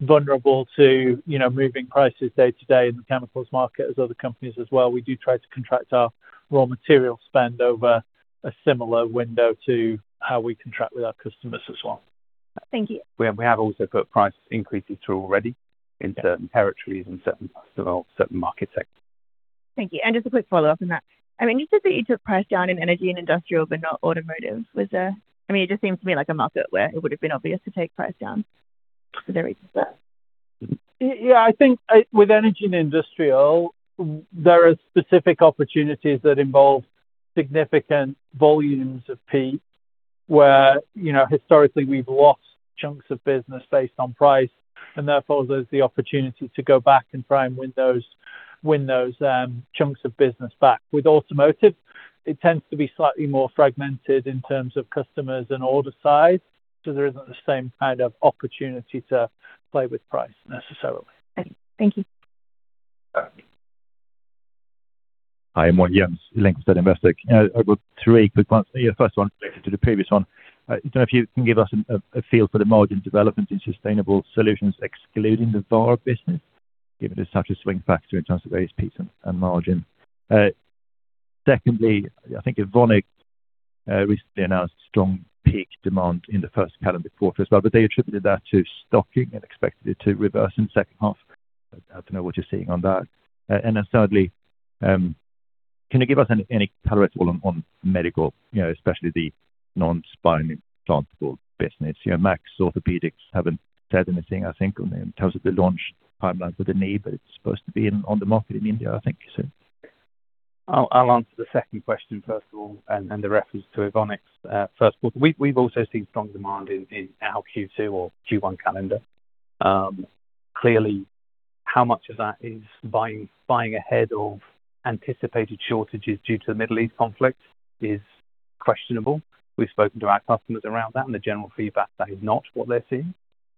vulnerable to, you know, moving prices day-to-day in the chemicals market as other companies as well. We do try to contract our raw material spend over a similar window to how we contract with our customers as well. Thank you. We have also put price increases through already in certain territories and certain parts of our certain market sectors. Thank you. Just a quick follow-up on that. I mean, you said that you took price down in energy and industrial, but not automotive. I mean, it just seems to me like a market where it would have been obvious to take price down. Was there a reason for that? Yeah, I think, with energy and industrial, there are specific opportunities that involve significant volumes of PEEK where, you know, historically we've lost chunks of business based on price, and therefore, there's the opportunity to go back and try and win those chunks of business back. With automotive, it tends to be slightly more fragmented in terms of customers and order size, so there isn't the same kind of opportunity to play with price necessarily. Thank you. Hi, I'm Martin Young, linked to Investec. I've got three quick ones. Yeah, first one related to the previous one. Don't know if you can give us a feel for the margin development in sustainable solutions excluding the VAR business, given it's such a swing factor in terms of various peaks and margin. Secondly, I think Evonik recently announced strong PEEK demand in the first calendar quarter as well, but they attributed that to stocking and expected it to reverse in second half. I'd love to know what you're seeing on that. Then thirdly, can you give us any color at all on medical, you know, especially the non-spine implantable business? You know, Maxx Orthopedics haven't said anything, I think, in terms of the launch timelines with the knee, but it's supposed to be on the market in India, I think you said. I'll answer the second question first of all and the reference to Evonik. First, we've also seen strong demand in our Q2 or Q1 calendar. Clearly, how much of that is buying ahead or anticipated shortages due to the Middle East conflict is questionable. We've spoken to our customers around that, and the general feedback that is not what they're seeing.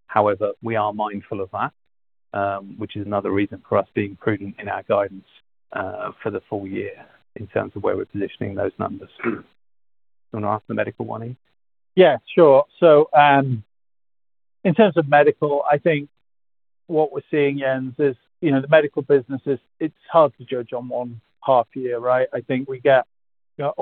However, we are mindful of that, which is another reason for us being prudent in our guidance for the full year in terms of where we're positioning those numbers. Do you wanna ask the medical one, Ian? Yeah, sure. In terms of medical, I think what we're seeing here, is, you know, the medical business is it's hard to judge on one half year, right? I think we get, you know,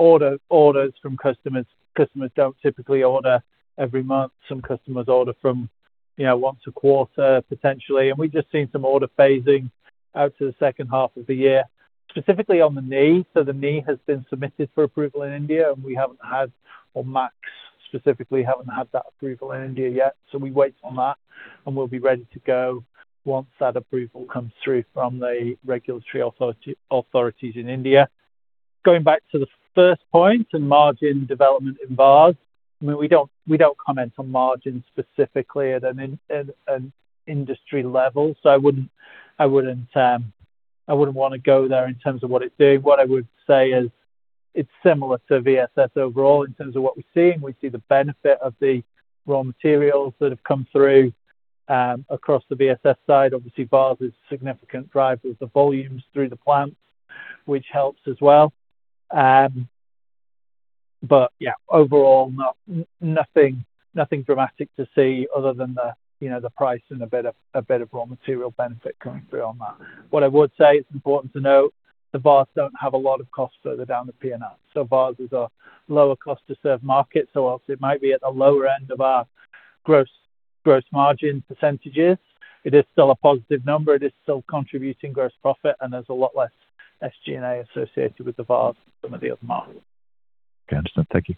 orders from customers. Customers don't typically order every month. Some customers order from, you know, once a quarter, potentially. We've just seen some order phasing out to the second half of the year, specifically on the knee. The knee has been submitted for approval in India, and we haven't had, or Max specifically, haven't had that approval in India yet. We wait on that, and we'll be ready to go once that approval comes through from the regulatory authorities in India. Going back to the first point in margin development in VARs. I mean, we don't comment on margins specifically at an industry level, so I wouldn't wanna go there in terms of what it's doing. What I would say is it's similar to VSS overall in terms of what we're seeing. We see the benefit of the raw materials that have come through across the VSS side. Obviously, VSS is a significant driver of the volumes through the plants, which helps as well. Yeah, overall, nothing dramatic to see other than the, you know, the price and a bit of raw material benefit coming through on that. What I would say, it's important to note, the VSS don't have a lot of costs further down the P&L. VSS is a lower cost to serve market. Whilst it might be at the lower end of our gross margin percentages, it is still a positive number. It is still contributing gross profit, and there's a lot less SG&A associated with the VARs than some of the other markets. Okay. Understood. Thank you.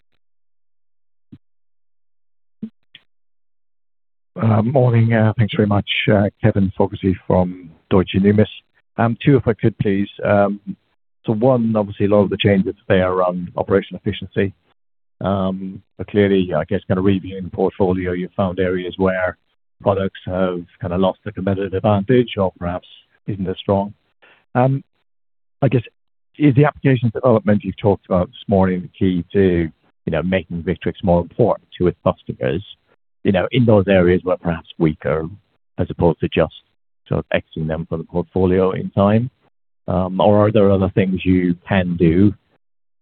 Morning. Thanks very much. Kevin Fogarty from Deutsche Numis. Two, if I could please. One, obviously, a lot of the changes there around operation efficiency. Clearly, I guess kind of reviewing the portfolio, you found areas where products have kind of lost the competitive advantage or perhaps isn't as strong. I guess, is the applications development you've talked about this morning the key to, you know, making Victrex more important to its customers, you know, in those areas where perhaps weaker, as opposed to just sort of X-ing them from the portfolio in time? Are there other things you can do,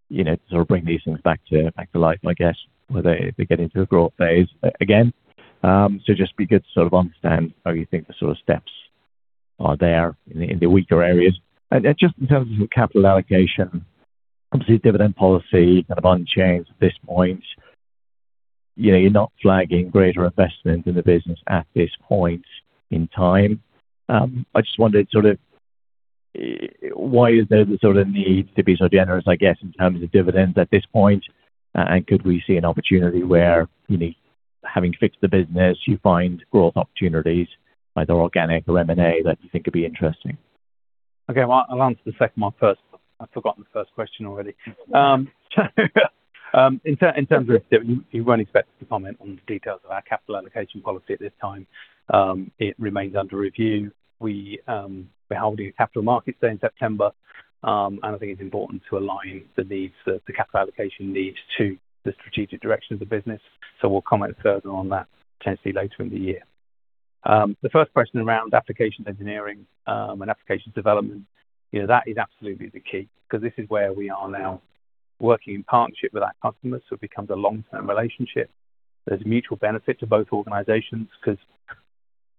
you know, to sort of bring these things back to life, I guess, where they get into a growth phase again? Just be good to understand how you think the steps are there in the weaker areas. Just in terms of capital allocation, obviously, dividend policy kind of unchanged at this point. You know, you're not flagging greater investment in the business at this point in time. I just wondered why is there the need to be so generous, I guess, in terms of dividends at this point? Could we see an opportunity where, you know, having fixed the business, you find growth opportunities, either organic or M&A, that you think could be interesting? Okay. Well, I'll answer the second one first. I've forgotten the first question already. In terms of div-- You won't expect us to comment on the details of our capital allocation policy at this time. It remains under review. We're holding a Capital Markets Day in September, and I think it's important to align the needs, the capital allocation needs to the strategic direction of the business. We'll comment further on that potentially later in the year. The first question around application engineering, and application development, you know, that is absolutely the key 'cause this is where we are now working in partnership with our customers, so it becomes a long-term relationship. There's mutual benefit to both organizations 'cause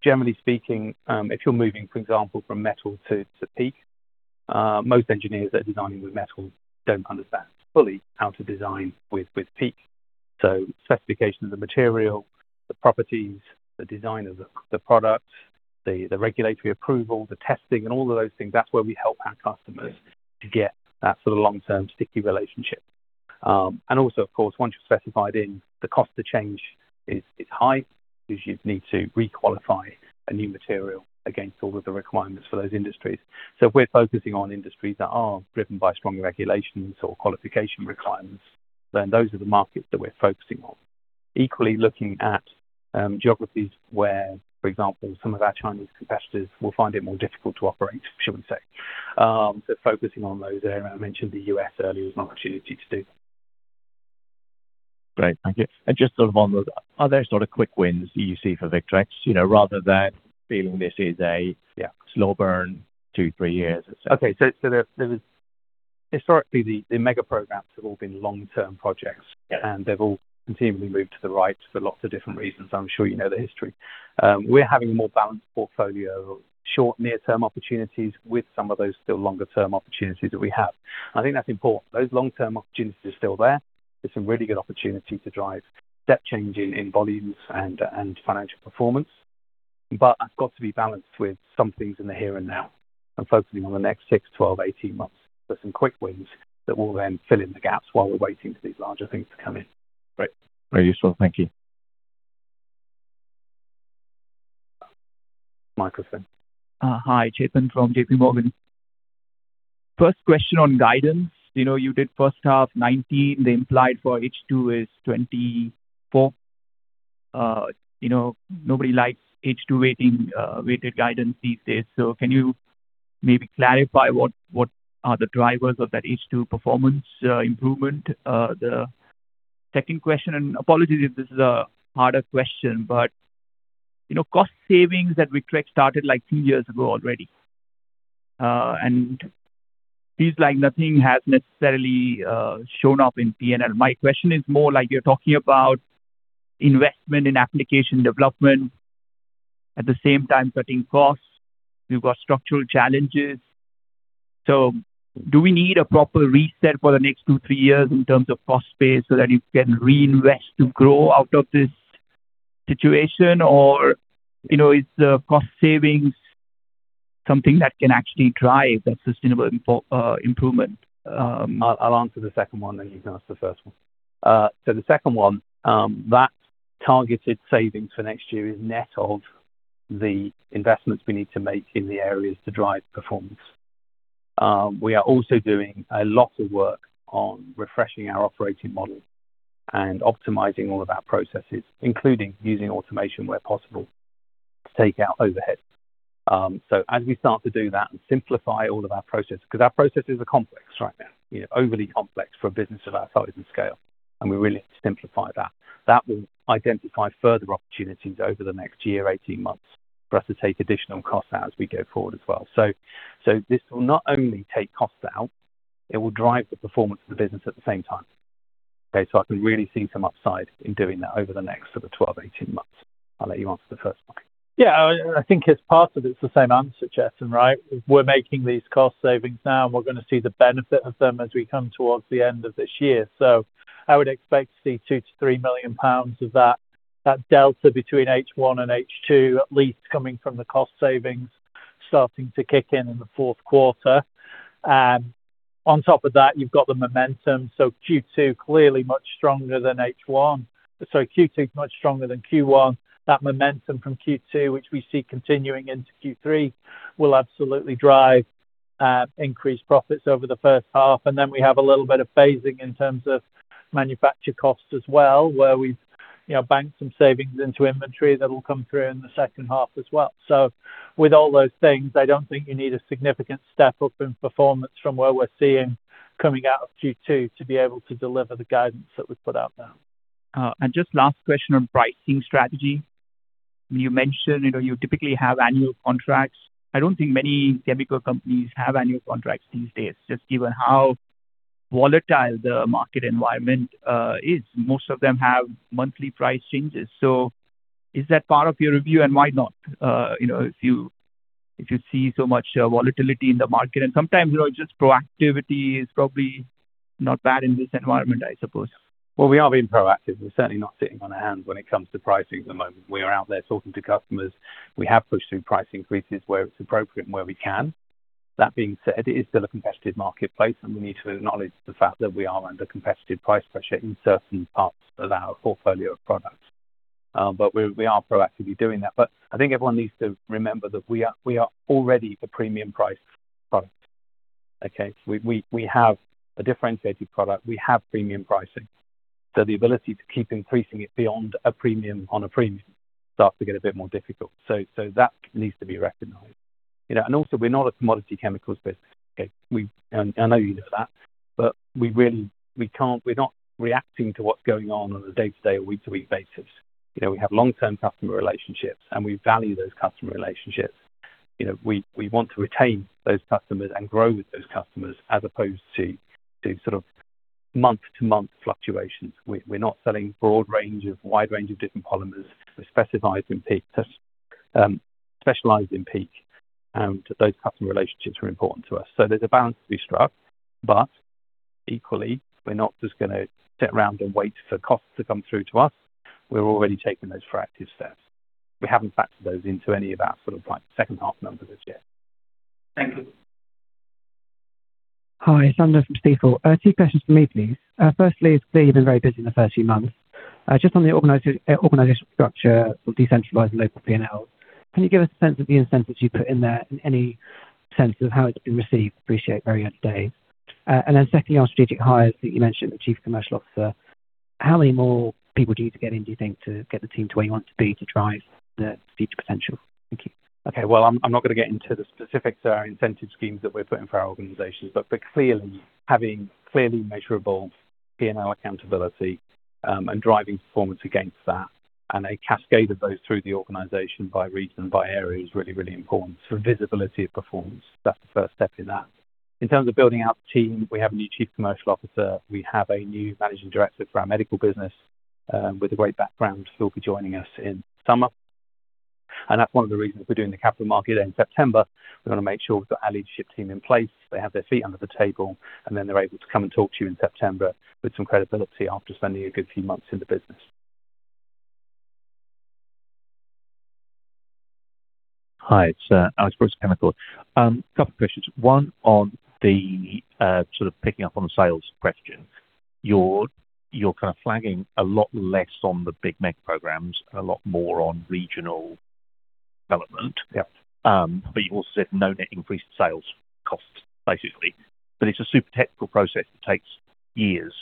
generally speaking, if you're moving, for example, from metal to PEEK, most engineers that are designing with metal don't understand fully how to design with PEEK. Specification of the material, the properties, the design of the product, the regulatory approval, the testing and all of those things, that's where we help our customers to get that sort of long-term sticky relationship. Of course, once you're specified in, the cost to change is high 'cause you'd need to re-qualify a new material against all of the requirements for those industries. We're focusing on industries that are driven by strong regulations or qualification requirements, then those are the markets that we're focusing on. Equally, looking at geographies where, for example, some of our Chinese competitors will find it more difficult to operate, shall we say. Focusing on those areas. I mentioned the U.S. earlier as an opportunity to do. Great. Thank you. Just sort of on those, are there sort of quick wins that you see for Victrex, you know, rather than feeling this is slow burn two, three years, et cetera? Okay. Historically, the mega programs have all been long-term projects. They've all continually moved to the right for lots of different reasons. I'm sure you know the history. We're having a more balanced portfolio of short near-term opportunities with some of those still longer term opportunities that we have. I think that's important. Those long-term opportunities are still there. There's some really good opportunity to drive step change in volumes and financial performance. That's got to be balanced with some things in the here and now and focusing on the next six, 12, 18 months. Some quick wins that will then fill in the gaps while we're waiting for these larger things to come in. Great. Very useful. Thank you. Michael Finn. Hi, Chetan from JPMorgan. First question on guidance. You know, you did first half 19, the implied for H2 is 24. You know, nobody likes H2 waiting, weighted guidance these days. Can you maybe clarify what are the drivers of that H2 performance improvement? The second question, apologies if this is a harder question, but, you know, cost savings that we tracked started like two years ago already. Feels like nothing has necessarily shown up in P&L. My question is more like you're talking about investment in application development at the same time cutting costs. You've got structural challenges. Do we need a proper reset for the next two, three years in terms of cost base so that you can reinvest to grow out of this situation? You know, is the cost savings something that can actually drive that sustainable improvement? I'll answer the second one, you can answer the first one. The second one, that targeted savings for next year is net of the investments we need to make in the areas to drive performance. We are also doing a lot of work on refreshing our operating model and optimizing all of our processes, including using automation where possible to take out overheads. As we start to do that and simplify all of our processes, 'cause our processes are complex right now, you know, overly complex for a business of our size and scale, and we really simplify that. That will identify further opportunities over the next year, 18 months for us to take additional costs out as we go forward as well. This will not only take costs out, it will drive the performance of the business at the same time. Okay, I can really see some upsides in doing that over the next sort of 12, 18 months. I'll let you answer the first one. I think it's part of it's the same answer, Chetan. We're making these cost savings now, and we're gonna see the benefit of them as we come towards the end of this year. I would expect to see 2 million-3 million pounds of that delta between H1 and H2 at least coming from the cost savings starting to kick in the fourth quarter. On top of that, you've got the momentum. Q2 clearly much stronger than H1. Q2 is much stronger than Q1. That momentum from Q2, which we see continuing into Q3, will absolutely drive increased profits over the first half. We have a little bit of phasing in terms of manufacture costs as well, where we've, you know, banked some savings into inventory that will come through in the second half as well. With all those things, I don't think you need a significant step up in performance from where we're seeing coming out of Q2 to be able to deliver the guidance that we've put out there. Just last question on pricing strategy. You mentioned, you know, you typically have annual contracts. I don't think many chemical companies have annual contracts these days, just given how volatile the market environment is. Most of them have monthly price changes. Is that part of your review, and why not? You know, if you, if you see so much, volatility in the market and sometimes, you know, just proactivity is probably not bad in this environment, I suppose. Well, we are being proactive. We're certainly not sitting on our hands when it comes to pricing at the moment. We are out there talking to customers. We have pushed through price increases where it's appropriate and where we can. That being said, it is still a competitive marketplace, and we need to acknowledge the fact that we are under competitive price pressure in certain parts of our portfolio of products. We are proactively doing that. I think everyone needs to remember that we are already the premium priced product, okay? We have a differentiated product. We have premium pricing. The ability to keep increasing it beyond a premium on a premium starts to get a bit more difficult. That needs to be recognized. You know, also we're not a commodity chemicals business, okay? I know you know that, but we're not reacting to what's going on on a day-to-day or week-to-week basis. You know, we have long-term customer relationships, and we value those customer relationships. You know, we want to retain those customers and grow with those customers as opposed to sort of month-to-month fluctuations. We're not selling wide range of different polymers. We specialize in PEEK, and those customer relationships are important to us. There's a balance to be struck, but equally, we're not just gonna sit around and wait for costs to come through to us. We're already taking those proactive steps. We haven't factored those into any of our sort of like second half numbers as yet. Thank you. Hi, Sander from Stifel. Two questions from me, please. Firstly, it's clear you've been very busy in the first few months. Just on the organizational structure for decentralizing local P&L, can you give us a sense of the incentives you put in there and any sense of how it's been received? Appreciate it very much today. Then secondly, on strategic hires that you mentioned, the Chief Commercial Officer, how many more people do you need to get in, do you think, to get the team to where you want to be to drive the future potential? Thank you. Okay. Well, I'm not gonna get into the specifics of our incentive schemes that we're putting for our organizations. Clearly, having clearly measurable P&L accountability, and driving performance against that and a cascade of those through the organization by region and by area is really important for visibility of performance. That's the first step in that. In terms of building out the team, we have a new Chief Commercial Officer. We have a new Managing Director for our medical business, with a great background who'll be joining us in summer. That's one of the reasons we're doing the Capital Market Day in September. We wanna make sure we've got our leadership team in place, they have their feet under the table, and then they're able to come and talk to you in September with some credibility after spending a good few months in the business. Hi, it's Alex Brooks from Canaccord. Couple questions. One on the sort of picking up on the sales question. You're kind of flagging a lot less on the big mega programs and a lot more on regional development. You also said no net increased sales costs, basically. It's a super technical process that takes years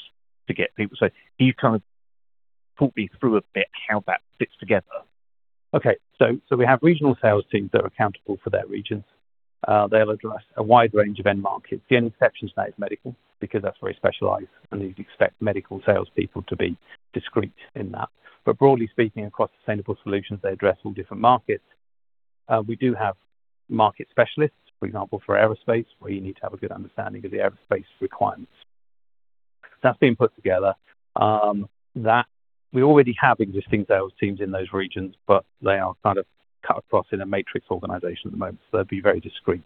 to get people. Can you kind of talk me through a bit how that fits together? We have regional sales teams that are accountable for their region. They'll address a wide range of end markets. The only exception to that is medical because that's very specialized and you'd expect medical sales people to be discrete in that. Broadly speaking, across sustainable solutions, they address all different markets. We do have market specialists, for example, for aerospace, where you need to have a good understanding of the aerospace requirements. That's being put together. That we already have existing sales teams in those regions, but they are kind of cut across in a matrix organization at the moment, so they'd be very discrete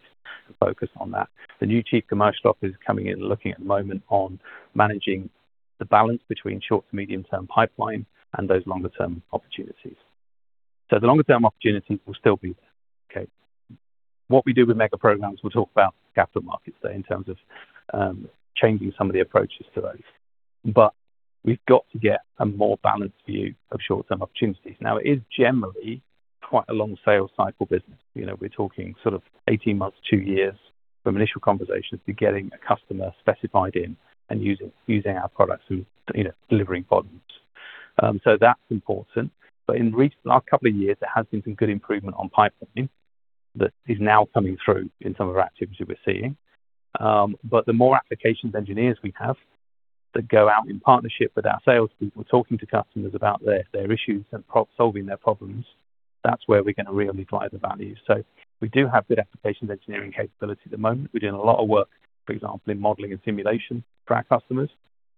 and focused on that. The new Chief Commercial Officer is coming in and looking at the moment on managing the balance between short to medium-term pipeline and those longer term opportunities. The longer term opportunities will still be there. Okay. What we do with mega programs, we'll talk about Capital Markets Day in terms of changing some of the approaches to those. We've got to get a more balanced view of short-term opportunities. Now, it is generally quite a long sales cycle business. You know, we're talking sort of 18 months, two years from initial conversations to getting a customer specified in and using our products and, you know, delivering volumes. That's important. In the last couple of years, there has been some good improvement on pipelining that is now coming through in some of our activity we're seeing. The more applications engineers we have that go out in partnership with our sales people, talking to customers about their issues and solving their problems, that's where we're gonna really drive the value. We do have good applications engineering capability at the moment. We're doing a lot of work, for example, in modeling and simulation for our customers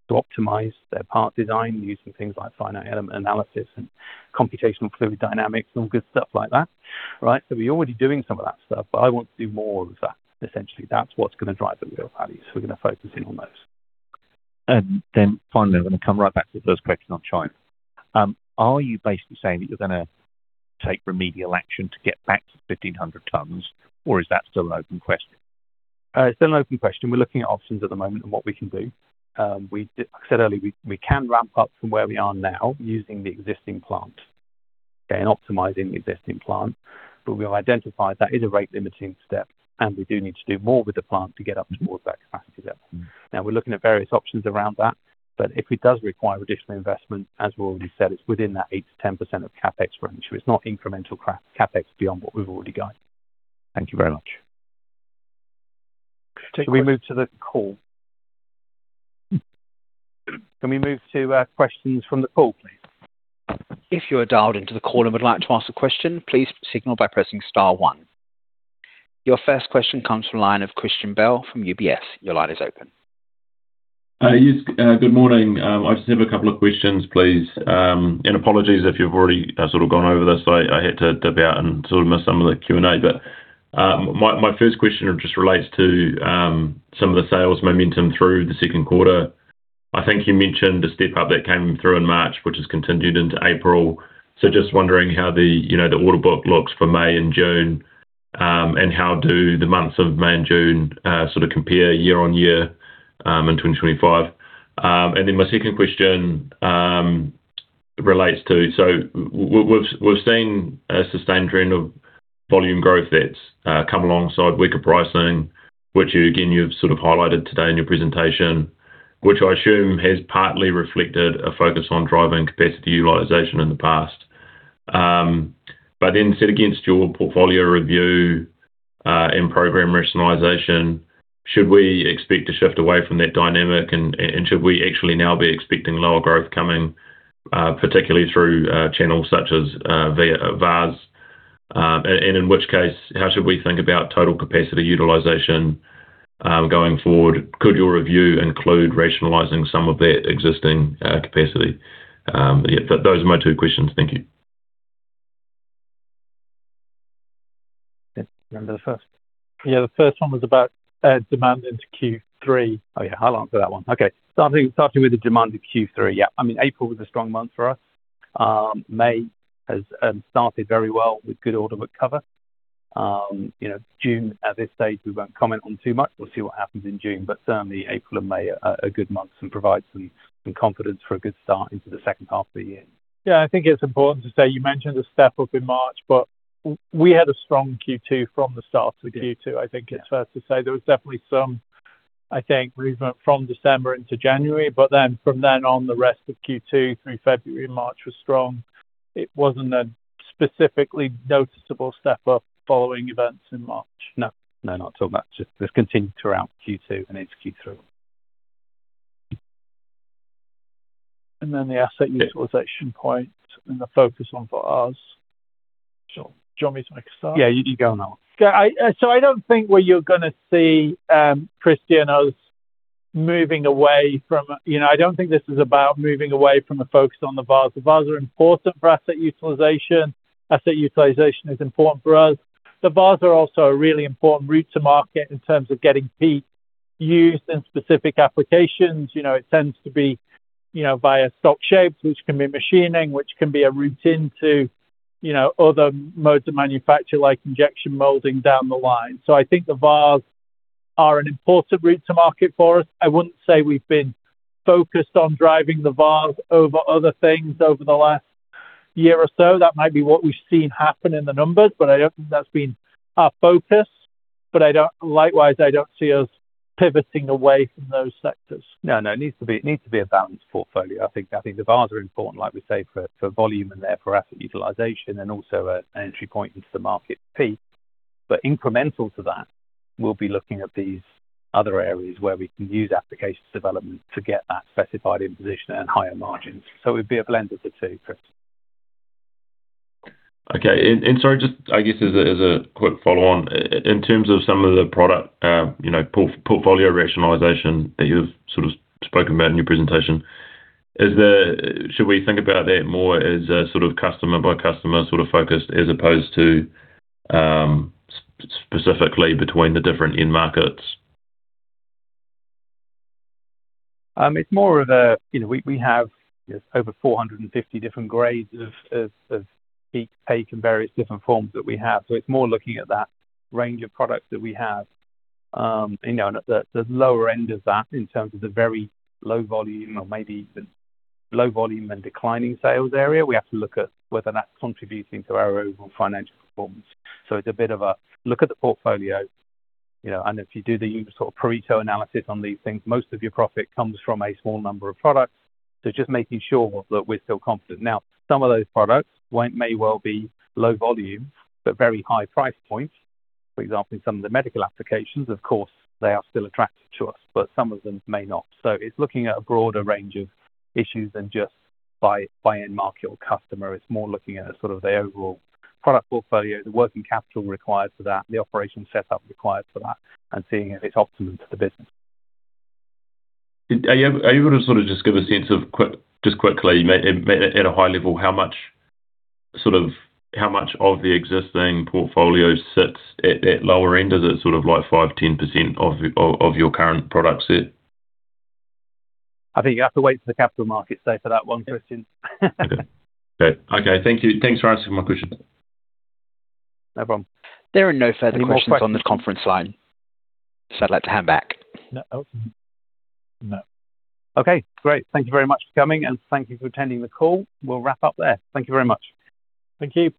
to optimize their part design using things like finite element analysis and computational fluid dynamics and all good stuff like that. Right? We're already doing some of that stuff, but I want to do more of that. Essentially, that's what's gonna drive the real value, we're gonna focus in on those. Finally, I'm going to come right back to the first question on China. Are you basically saying that you're going to take remedial action to get back to 1,500 tons or is that still an open question? It's an open question. We're looking at options at the moment and what we can do. I said earlier, we can ramp up from where we are now using the existing plant and optimizing the existing plant. We identified that is a rate-limiting step and we do need to do more with the plant to get up towards that capacity level. We're looking at various options around that, but if it does require additional investment, as we already said, it's within that 8%-10% of CapEx range. It's not incremental CapEx beyond what we've already guided. Thank you very much. Shall we move to the call? Can we move to questions from the call, please? Your first question comes from the line of Christian Bell from UBS. Your line is open. Yes. Good morning. I just have a couple of questions, please. Apologies if you've already sort of gone over this. I had to dip out and sort of miss some of the Q&A. My, my first question just relates to some of the sales momentum through the second quarter. I think you mentioned a step up that came through in March, which has continued into April. Just wondering how the, you know, the order book looks for May and June, and how do the months of May and June sort of compare year-on-year in 2025? My second question relates to, so we're seeing a sustained trend of volume growth that's come alongside weaker pricing, which you, again, you've sort of highlighted today in your presentation, which I assume has partly reflected a focus on driving capacity utilization in the past. Set against your portfolio review and program rationalization, should we expect a shift away from that dynamic and should we actually now be expecting lower growth coming particularly through channels such as via VARs? In which case, how should we think about total capacity utilization going forward? Could your review include rationalizing some of that existing capacity? Those are my two questions. Thank you. Do you remember the first? Yeah, the first one was about demand into Q3. I'll answer that one. Okay. Starting with the demand in Q3. I mean April was a strong month for us. May has started very well with good order book cover. You know, June at this stage we won't comment on too much. We'll see what happens in June. Certainly April and May are good months and provide some confidence for a good start into the second half of the year. Yeah, I think it's important to say you mentioned the step up in March, but we had a strong Q2 from the start of Q2. I think it's fair to say there was definitely some, I think, movement from December into January. From then on, the rest of Q2 through February and March was strong. It wasn't a specifically noticeable step up following events in March. No. No, not at all. That just has continued throughout Q2 and into Q3. The asset utilization point and the focus on VARs. Sure. Do you want me to make a start? Yeah, you can go on that one. Okay. I don't think where you're going to see, Christian, us moving away from, you know, I don't think this is about moving away from a focus on the VARs. The VARs are important for asset utilization. Asset utilization is important for us. The VARs are also a really important route to market in terms of getting PEEK use in specific applications. You know, it tends to be You know, via stock shapes, which can be machining, which can be a route into, you know, other modes of manufacture like injection molding down the line. I think the VARs are an important route to market for us. I wouldn't say we've been focused on driving the VARs over other things over the last year or so. That might be what we've seen happen in the numbers, but I don't think that's been our focus. Likewise, I don't see us pivoting away from those sectors. No, no, it needs to be a balanced portfolio. I think the VARs are important, like we say, for volume and therefore asset utilization and also an entry point into the market for PEEK. Incremental to that, we'll be looking at these other areas where we can use applications development to get that specified in position and higher margins. It would be a blend of the two, Christian. Okay. Sorry, just I guess as a quick follow on. In terms of some of the product, you know, portfolio rationalization that you've sort of spoken about in your presentation, should we think about that more as a sort of customer by customer sort of focus as opposed to specifically between the different end markets? It's more of a, you know, we have over 450 different grades of PEEK take in various different forms that we have. It's more looking at that range of products that we have. You know, and at the lower end of that in terms of the very low volume or maybe even low volume and declining sales area, we have to look at whether that's contributing to our overall financial performance. It's a bit of a look at the portfolio, you know, and if you do the sort of Pareto analysis on these things, most of your profit comes from a small number of products. Just making sure that we're still confident. Now, some of those products may well be low volume, but very high price points. For example, in some of the medical applications, of course, they are still attractive to us, but some of them may not. It's looking at a broader range of issues than just by end market or customer. It's more looking at a sort of the overall product portfolio, the working capital required for that, the operation setup required for that, and seeing if it's optimum for the business. Are you able to sort of just give a sense of just quickly maybe at a high level how much, sort of how much of the existing portfolio sits at that lower end? Is it sort of like 5%, 10% of your current product set? I think you have to wait for the Capital Markets Day for that one, Christian. Okay. Okay. Thank you. Thanks for answering my question. No problem. There are no further questions on the conference line, so I'd like to hand back. No. Okay, great. Thank you very much for coming, and thank you for attending the call. We will wrap up there. Thank you very much. Thank you.